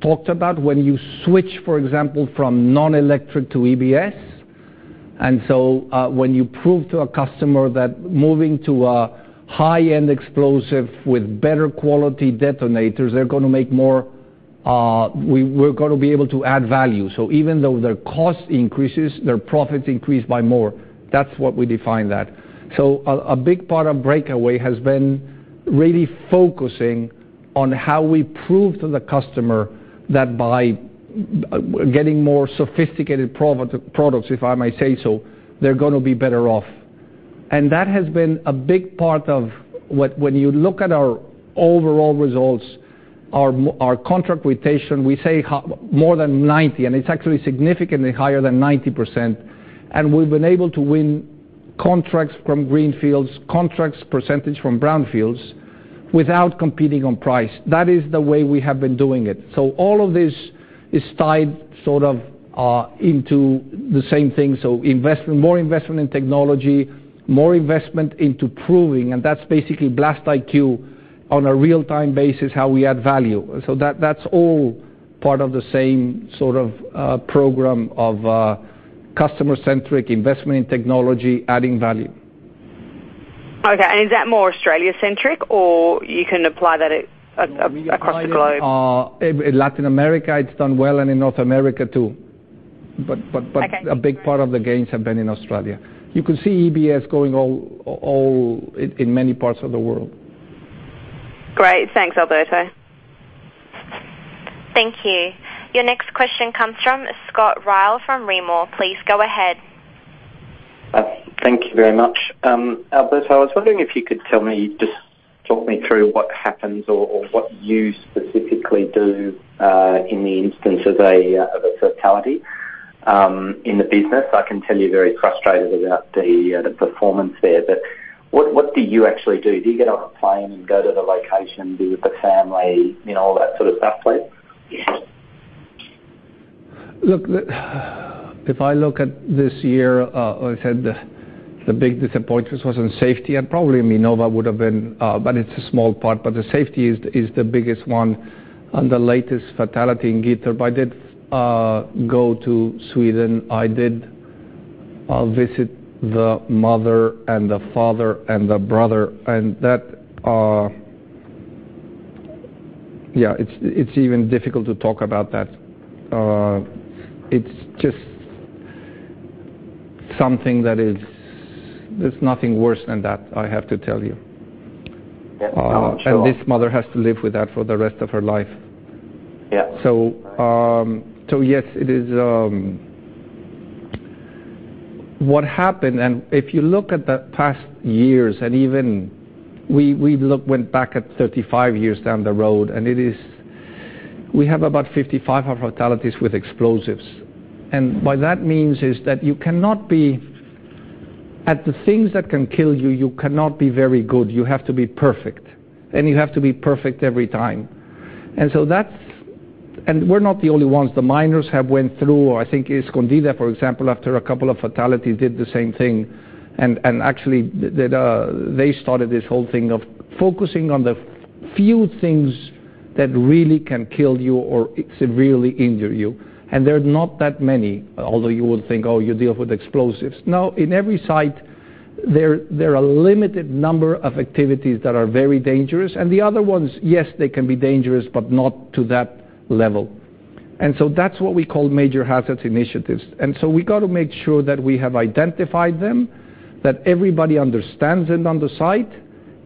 [SPEAKER 2] talked about when you switch, for example, from non-electric to EBS. When you prove to a customer that moving to a high-end explosive with better quality detonators, we're going to be able to add value. Even though their cost increases, their profits increase by more. That's what we define that. A big part of Breakaway has been really focusing on how we prove to the customer that by getting more sophisticated products, if I may say so, they're going to be better off. That has been a big part of when you look at our overall results, our contract quotation, we say more than 90%, and it's actually significantly higher than 90%. We've been able to win contracts from greenfields, contracts percentage from brownfields without competing on price. That is the way we have been doing it. All of this is tied sort of into the same thing. More investment in technology, more investment into proving, and that's basically BlastIQ on a real-time basis, how we add value. That's all part of the same sort of program of customer-centric investment in technology, adding value.
[SPEAKER 8] Okay. Is that more Australia-centric or you can apply that across the globe?
[SPEAKER 2] In Latin America, it's done well, and in North America, too.
[SPEAKER 8] Okay.
[SPEAKER 2] A big part of the gains have been in Australia. You can see EBS going all in many parts of the world.
[SPEAKER 8] Great. Thanks, Alberto.
[SPEAKER 4] Thank you. Your next question comes from Scott Ryle from Rimor. Please go ahead.
[SPEAKER 9] Thank you very much. Alberto, I was wondering if you could tell me, just talk me through what happens or what you specifically do in the instance of a fatality in the business. I can tell you're very frustrated about the performance there, what do you actually do? Do you get on a plane and go to the location, be with the family, all that sort of stuff, please?
[SPEAKER 2] If I look at this year, like I said, the big disappointment was on safety, and probably Minova would have been, but it's a small part. The safety is the biggest one. The latest fatality in Gyttorp, I did visit the mother and the father and the brother and that, yeah, it's even difficult to talk about that. It's just something that is nothing worse than that, I have to tell you.
[SPEAKER 9] Yes. Oh, sure.
[SPEAKER 2] This mother has to live with that for the rest of her life.
[SPEAKER 9] Yeah.
[SPEAKER 2] Yes. What happened, and if you look at the past years, even we've went back at 35 years down the road, we have about 55 fatalities with explosives. What that means is that you cannot be at the things that can kill you cannot be very good. You have to be perfect, and you have to be perfect every time. We're not the only ones. The miners have went through, or I think Escondida, for example, after a couple of fatalities, did the same thing. Actually they started this whole thing of focusing on the few things that really can kill you or severely injure you. They're not that many, although you would think, oh, you deal with explosives. Now, in every site, there are a limited number of activities that are very dangerous. The other ones, yes, they can be dangerous, but not to that level. That's what we call major hazards initiatives. We got to make sure that we have identified them, that everybody understands it on the site,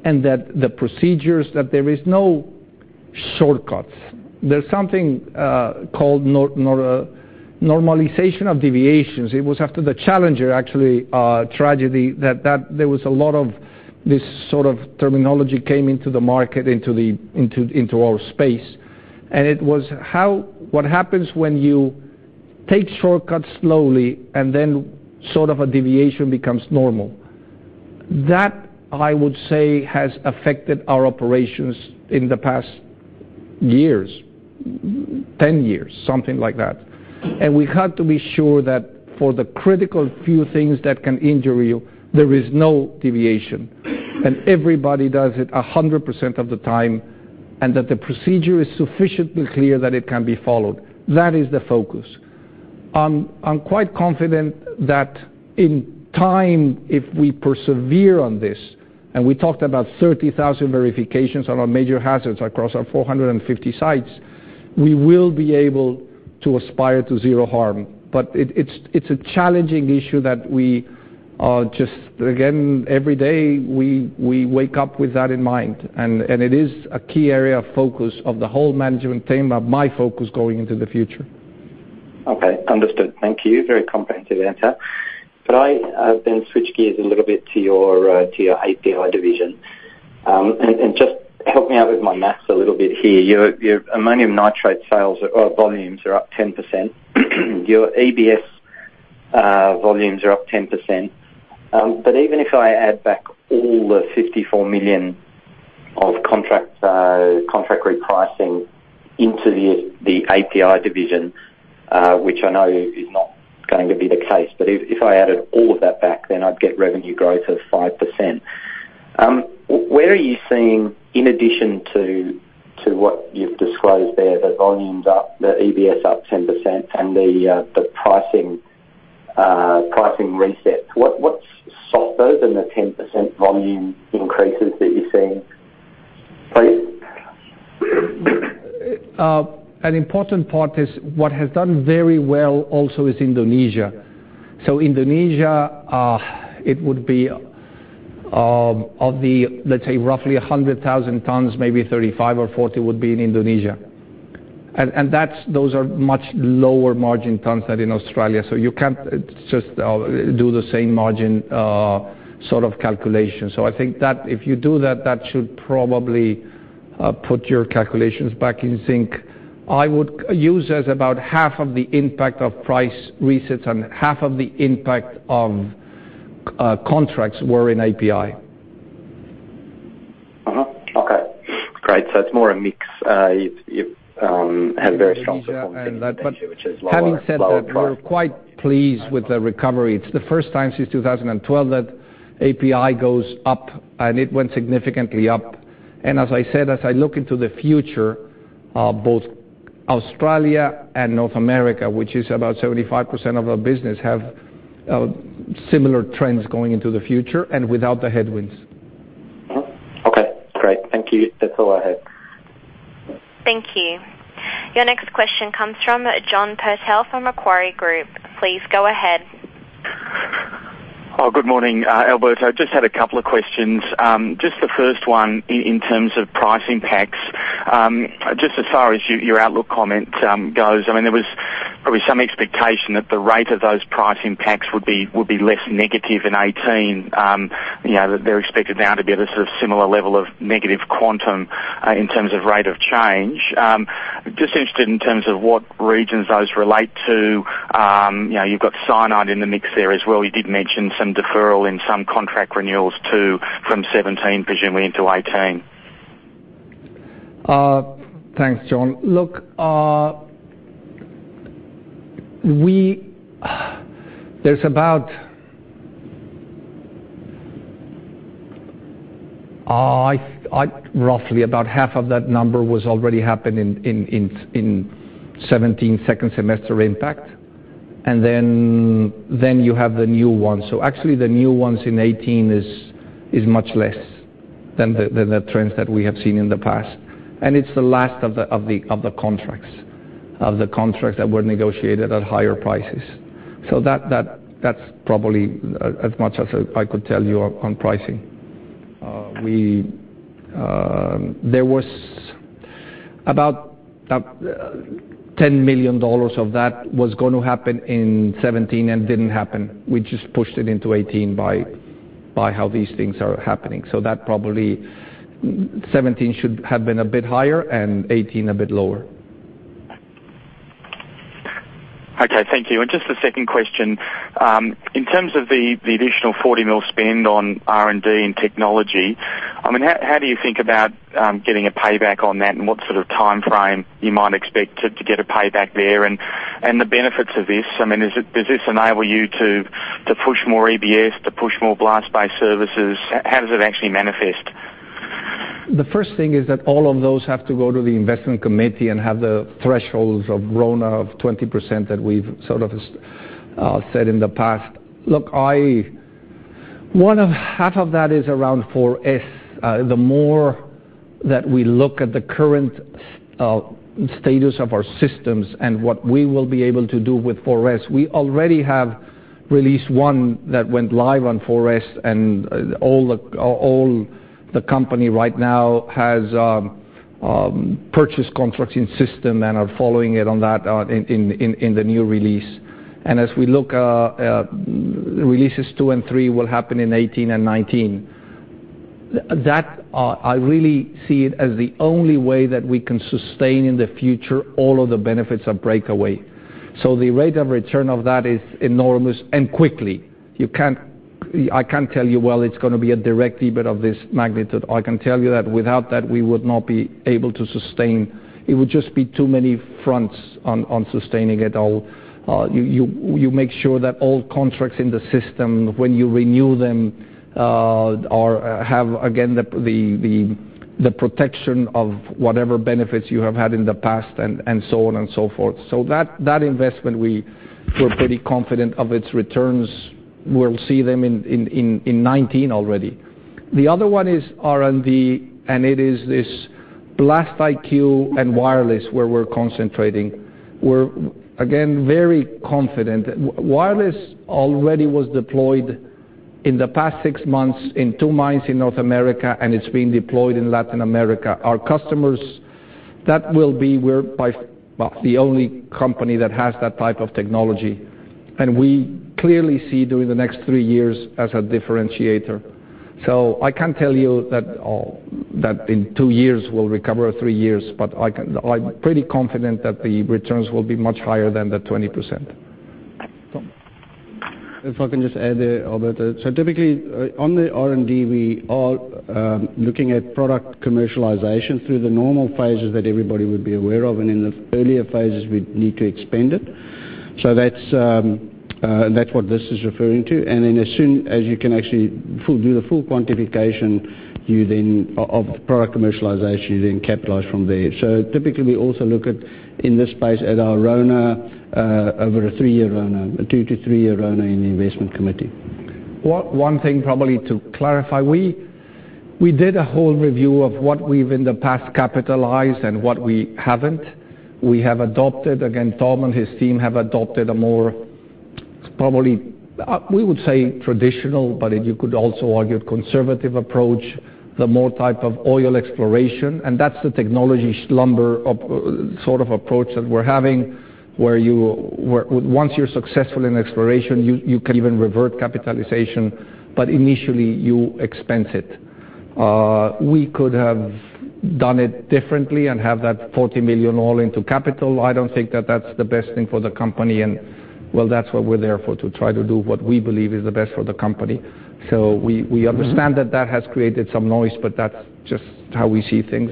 [SPEAKER 2] and that the procedures, that there is no shortcuts. There's something called normalization of deviations. It was after the Challenger, actually, tragedy, that there was a lot of this sort of terminology came into the market, into our space. It was what happens when you take shortcuts slowly and then sort of a deviation becomes normal. That, I would say, has affected our operations in the past years, 10 years, something like that. We have to be sure that for the critical few things that can injure you, there is no deviation, and everybody does it 100% of the time, and that the procedure is sufficiently clear that it can be followed. That is the focus. I'm quite confident that in time, if we persevere on this, we talked about 30,000 verifications on our major hazards across our 450 sites, we will be able to aspire to zero harm. It's a challenging issue that we are just, again, every day, we wake up with that in mind. It is a key area of focus of the whole management team and my focus going into the future.
[SPEAKER 9] Okay, understood. Thank you. Very comprehensive answer. Could I then switch gears a little bit to your API division? Just help me out with my maths a little bit here. Your ammonium nitrate sales or volumes are up 10%. Your EBS volumes are up 10%. Even if I add back all the 54 million of contract repricing into the API division, which I know is not going to be the case, but if I added all of that back, then I'd get revenue growth of 5%. Where are you seeing in addition to what you've disclosed there, the volumes up, the EBS up 10%, and the pricing resets. What's softer than the 10% volume increases that you're seeing? Please.
[SPEAKER 2] An important part is what has done very well also is Indonesia. Indonesia, it would be of the, let's say, roughly 100,000 tons, maybe 35 or 40 would be in Indonesia. Those are much lower margin tons than in Australia. You can't just do the same margin sort of calculation. I think that if you do that should probably put your calculations back in sync. I would use as about half of the impact of price resets and half of the impact of contracts were in API.
[SPEAKER 9] Okay. Great. It's more a mix. You've had very strong support in Indonesia-
[SPEAKER 2] Indonesia and that-
[SPEAKER 9] which is lower price
[SPEAKER 2] Having said that, we're quite pleased with the recovery. It's the first time since 2012 that API goes up, and it went significantly up. As I said, as I look into the future, both Australia and North America, which is about 75% of our business, have similar trends going into the future and without the headwinds.
[SPEAKER 9] Okay, great. Thank you. That's all I have.
[SPEAKER 4] Thank you. Your next question comes from John Purtell from Macquarie Group. Please go ahead.
[SPEAKER 10] Good morning, Alberto. Just had a couple of questions. Just the first one in terms of price impacts. Just as far as your outlook comment goes, there was probably some expectation that the rate of those price impacts would be less negative in 2018. They're expected now to be at a sort of similar level of negative quantum in terms of rate of change. Just interested in terms of what regions those relate to. You've got cyanide in the mix there as well. You did mention some deferral and some contract renewals too from 2017, presumably into 2018.
[SPEAKER 2] Thanks, John. There's about Roughly about half of that number was already happening in 2017 second semester impact. Then you have the new one. Actually the new ones in 2018 is much less than the trends that we have seen in the past. It's the last of the contracts that were negotiated at higher prices. That's probably as much as I could tell you on pricing. There was about 10 million dollars of that was going to happen in 2017 and didn't happen. We just pushed it into 2018 by how these things are happening. That probably 2017 should have been a bit higher and 2018 a bit lower.
[SPEAKER 10] Okay, thank you. Just the second question, in terms of the additional 40 million spend on R&D and technology, how do you think about getting a payback on that and what sort of timeframe you might expect to get a payback there and the benefits of this? Does this enable you to push more EBS, to push more blast-based services? How does it actually manifest?
[SPEAKER 2] The first thing is that all of those have to go to the investment committee and have the thresholds of RONA of 20% that we've sort of said in the past. Look, half of that is around 4S. The more that we look at the current status of our systems and what we will be able to do with 4S, we already have released one that went live on 4S and all the company right now has purchase contracts in system and are following it on that in the new release. As we look, releases two and three will happen in 2018 and 2019. That I really see it as the only way that we can sustain in the future all of the benefits of Project Breakaway. The rate of return of that is enormous and quickly. I can't tell you, well, it's going to be a direct EBIT of this magnitude. I can tell you that without that, we would not be able to sustain. It would just be too many fronts on sustaining it all. You make sure that all contracts in the system when you renew them have again the protection of whatever benefits you have had in the past and so on and so forth. That investment, we feel pretty confident of its returns. We'll see them in 2019 already. The other one is R&D and it is this BlastIQ and wireless where we're concentrating. We're again very confident. Wireless already was deployed in the past six months in two mines in North America and it's being deployed in Latin America. Our customers, that will be we're by the only company that has that type of technology. We clearly see during the next three years as a differentiator. So I can't tell you that in two years we'll recover three years, but I'm pretty confident that the returns will be much higher than the 20%. Tom?
[SPEAKER 3] If I can just add there, Alberto. Typically on the R&D we are looking at product commercialization through the normal phases that everybody would be aware of and in the earlier phases we need to expend it. That's what this is referring to. Then as soon as you can actually do the full quantification of product commercialization, you then capitalize from there. Typically we also look at in this space at our RONA over a three-year RONA, a two to three-year RONA in the investment committee.
[SPEAKER 2] One thing probably to clarify, we did a whole review of what we've in the past capitalized and what we haven't. We have adopted, again, Tom and his team have adopted a more probably, we would say traditional, but you could also argue conservative approach, the more type of oil exploration. That's the technology slumber sort of approach that we're having where once you're successful in exploration, you can even revert capitalization, but initially you expense it. We could have done it differently and have that 40 million all into capital. I don't think that that's the best thing for the company and well that's what we're there for, to try to do what we believe is the best for the company. We understand that that has created some noise, but that's just how we see things.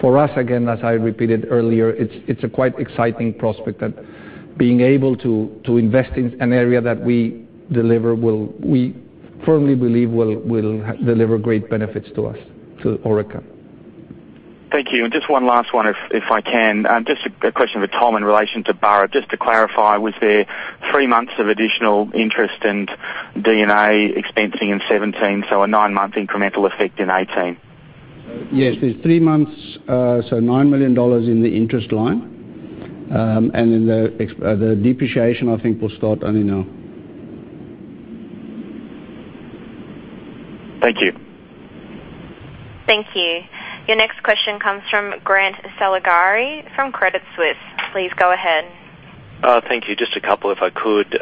[SPEAKER 2] For us, again, as I repeated earlier, it's a quite exciting prospect that being able to invest in an area that we firmly believe will deliver great benefits to us, to Orica.
[SPEAKER 10] Thank you. Just one last one if I can. Just a question for Tom in relation to Burrup. Just to clarify, was there three months of additional interest and D&A expensing in 2017, so a nine-month incremental effect in 2018?
[SPEAKER 3] Yes, there's three months, 9 million dollars in the interest line. The depreciation I think will start only now.
[SPEAKER 10] Thank you.
[SPEAKER 4] Thank you. Your next question comes from Grant Saligari from Credit Suisse. Please go ahead.
[SPEAKER 11] Thank you. Just a couple if I could.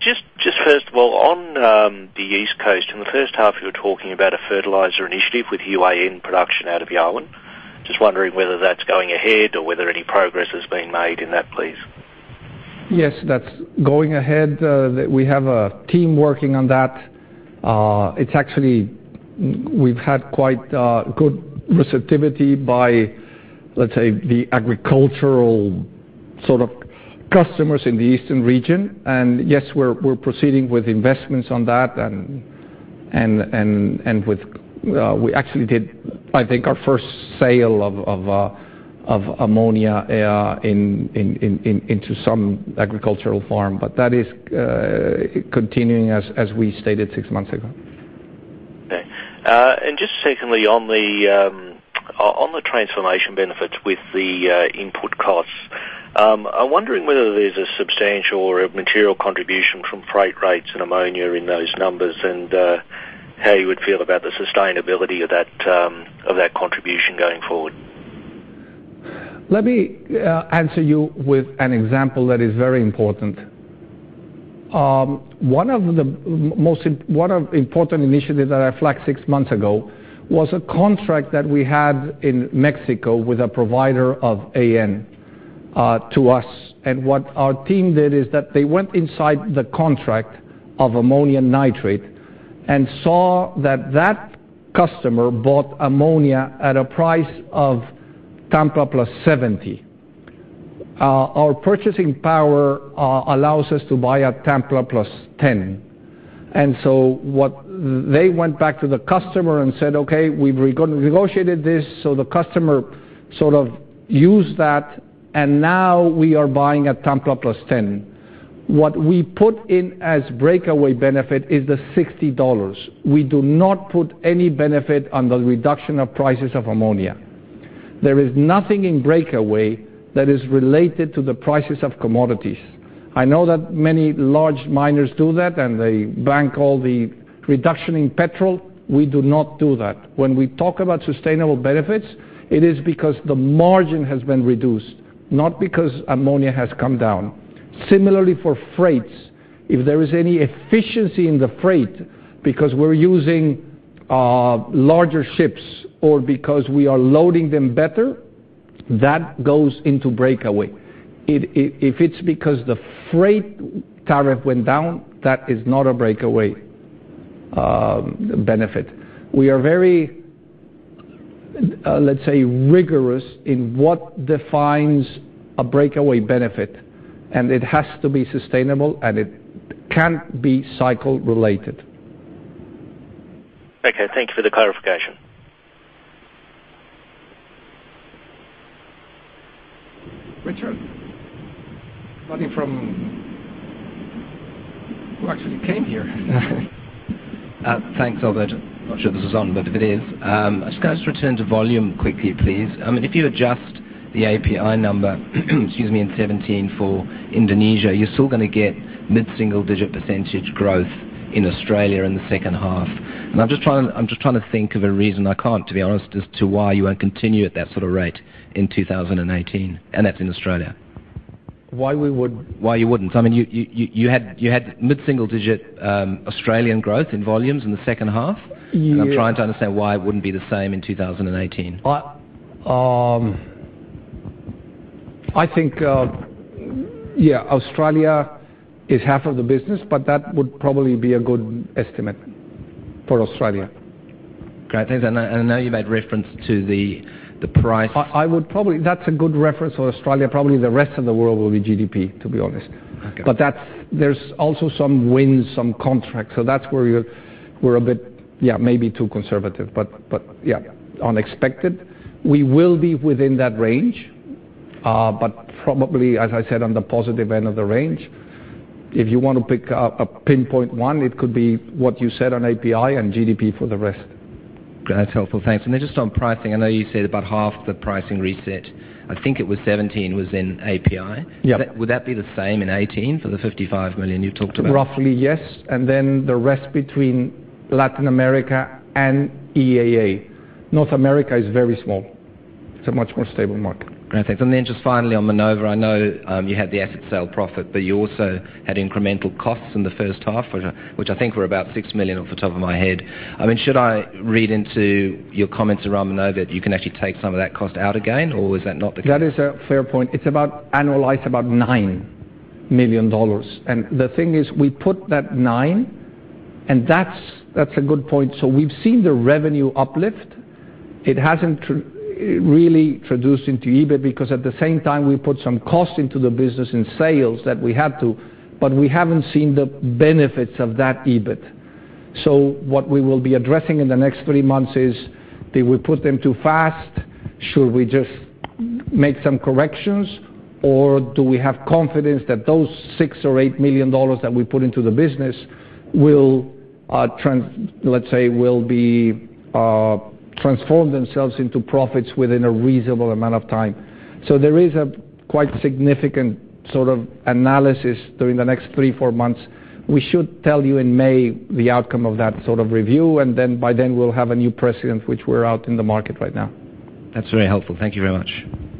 [SPEAKER 11] Just first of all, on the East Coast in the first half you were talking about a fertilizer initiative with UAN production out of Yarwun. Just wondering whether that's going ahead or whether any progress has been made in that, please.
[SPEAKER 2] Yes, that's going ahead. We have a team working on that. We've had quite good receptivity by, let's say, the agricultural sort of customers in the Eastern region. Yes, we're proceeding with investments on that, and we actually did, I think our first sale of ammonia into some agricultural farm. That is continuing as we stated six months ago.
[SPEAKER 11] Okay. Just secondly on the transformation benefits with the input costs. I'm wondering whether there's a substantial or a material contribution from freight rates and ammonia in those numbers, and how you would feel about the sustainability of that contribution going forward.
[SPEAKER 2] Let me answer you with an example that is very important. One of the important initiative that I flagged six months ago was a contract that we had in Mexico with a provider of AN to us. What our team did is that they went inside the contract of ammonium nitrate and saw that that customer bought ammonia at a price of Tampa plus 70. Our purchasing power allows us to buy at Tampa plus 10. They went back to the customer and said, "Okay, we've renegotiated this." The customer sort of used that and now we are buying at Tampa plus 10. What we put in as Breakaway benefit is the 60 dollars. We do not put any benefit on the reduction of prices of ammonia. There is nothing in Breakaway that is related to the prices of commodities. I know that many large miners do that, they bank all the reduction in petrol. We do not do that. When we talk about sustainable benefits, it is because the margin has been reduced, not because ammonia has come down. Similarly for freights, if there is any efficiency in the freight because we're using larger ships or because we are loading them better, that goes into Breakaway. If it's because the freight tariff went down, that is not a Breakaway benefit. We are very, let's say, rigorous in what defines a Breakaway benefit, it has to be sustainable, it can't be cycle related.
[SPEAKER 11] Okay. Thank you for the clarification.
[SPEAKER 2] Richard. Somebody from Who actually came here.
[SPEAKER 12] Thanks, Alberto. Not sure this is on, but if it is, I just going to return to volume quickly, please. If you adjust the API number, excuse me, in 2017 for Indonesia, you're still going to get mid-single digit % growth in Australia in the second half. I'm just trying to think of a reason, I can't to be honest, as to why you won't continue at that sort of rate in 2018, and that's in Australia.
[SPEAKER 2] Why we would-
[SPEAKER 12] Why you wouldn't. You had mid-single digit Australian growth in volumes in the second half.
[SPEAKER 2] Yeah.
[SPEAKER 12] I'm trying to understand why it wouldn't be the same in 2018.
[SPEAKER 2] I think, yeah, Australia is half of the business, but that would probably be a good estimate for Australia.
[SPEAKER 12] Great. Thanks. I know you made reference to the price-
[SPEAKER 2] That's a good reference for Australia. Probably the rest of the world will be GDP, to be honest.
[SPEAKER 12] Okay.
[SPEAKER 2] There's also some wins, some contracts, that's where we're a bit maybe too conservative. Yeah. On expected, we will be within that range. Probably, as I said, on the positive end of the range. If you want to pick a pinpoint one, it could be what you said on API and GDP for the rest.
[SPEAKER 12] That's helpful. Thanks. Then just on pricing, I know you said about half the pricing reset, I think it was 2017, was in API.
[SPEAKER 2] Yeah.
[SPEAKER 12] Would that be the same in 2018 for the 55 million you talked about?
[SPEAKER 2] Roughly, yes. The rest between Latin America and EMEA. North America is very small, it's a much more stable market.
[SPEAKER 12] Great. Thanks. Just finally on Minova, I know you had the asset sale profit, but you also had incremental costs in the first half, which I think were about 6 million off the top of my head. Should I read into your comments around Minova that you can actually take some of that cost out again, or is that not the case?
[SPEAKER 2] That is a fair point. It's annualized about 9 million dollars. The thing is, we put that 9, and that's a good point. We've seen the revenue uplift. It hasn't really traduced into EBIT because at the same time, we put some cost into the business in sales that we had to, but we haven't seen the benefits of that EBIT. What we will be addressing in the next 3 months is, did we put them too fast? Should we just make some corrections, or do we have confidence that those 6 million or 8 million dollars that we put into the business will, let's say, be transformed themselves into profits within a reasonable amount of time. There is a quite significant sort of analysis during the next 3, 4 months. We should tell you in May the outcome of that sort of review, by then we'll have a new president, which we're out in the market right now.
[SPEAKER 12] That's very helpful. Thank you very much.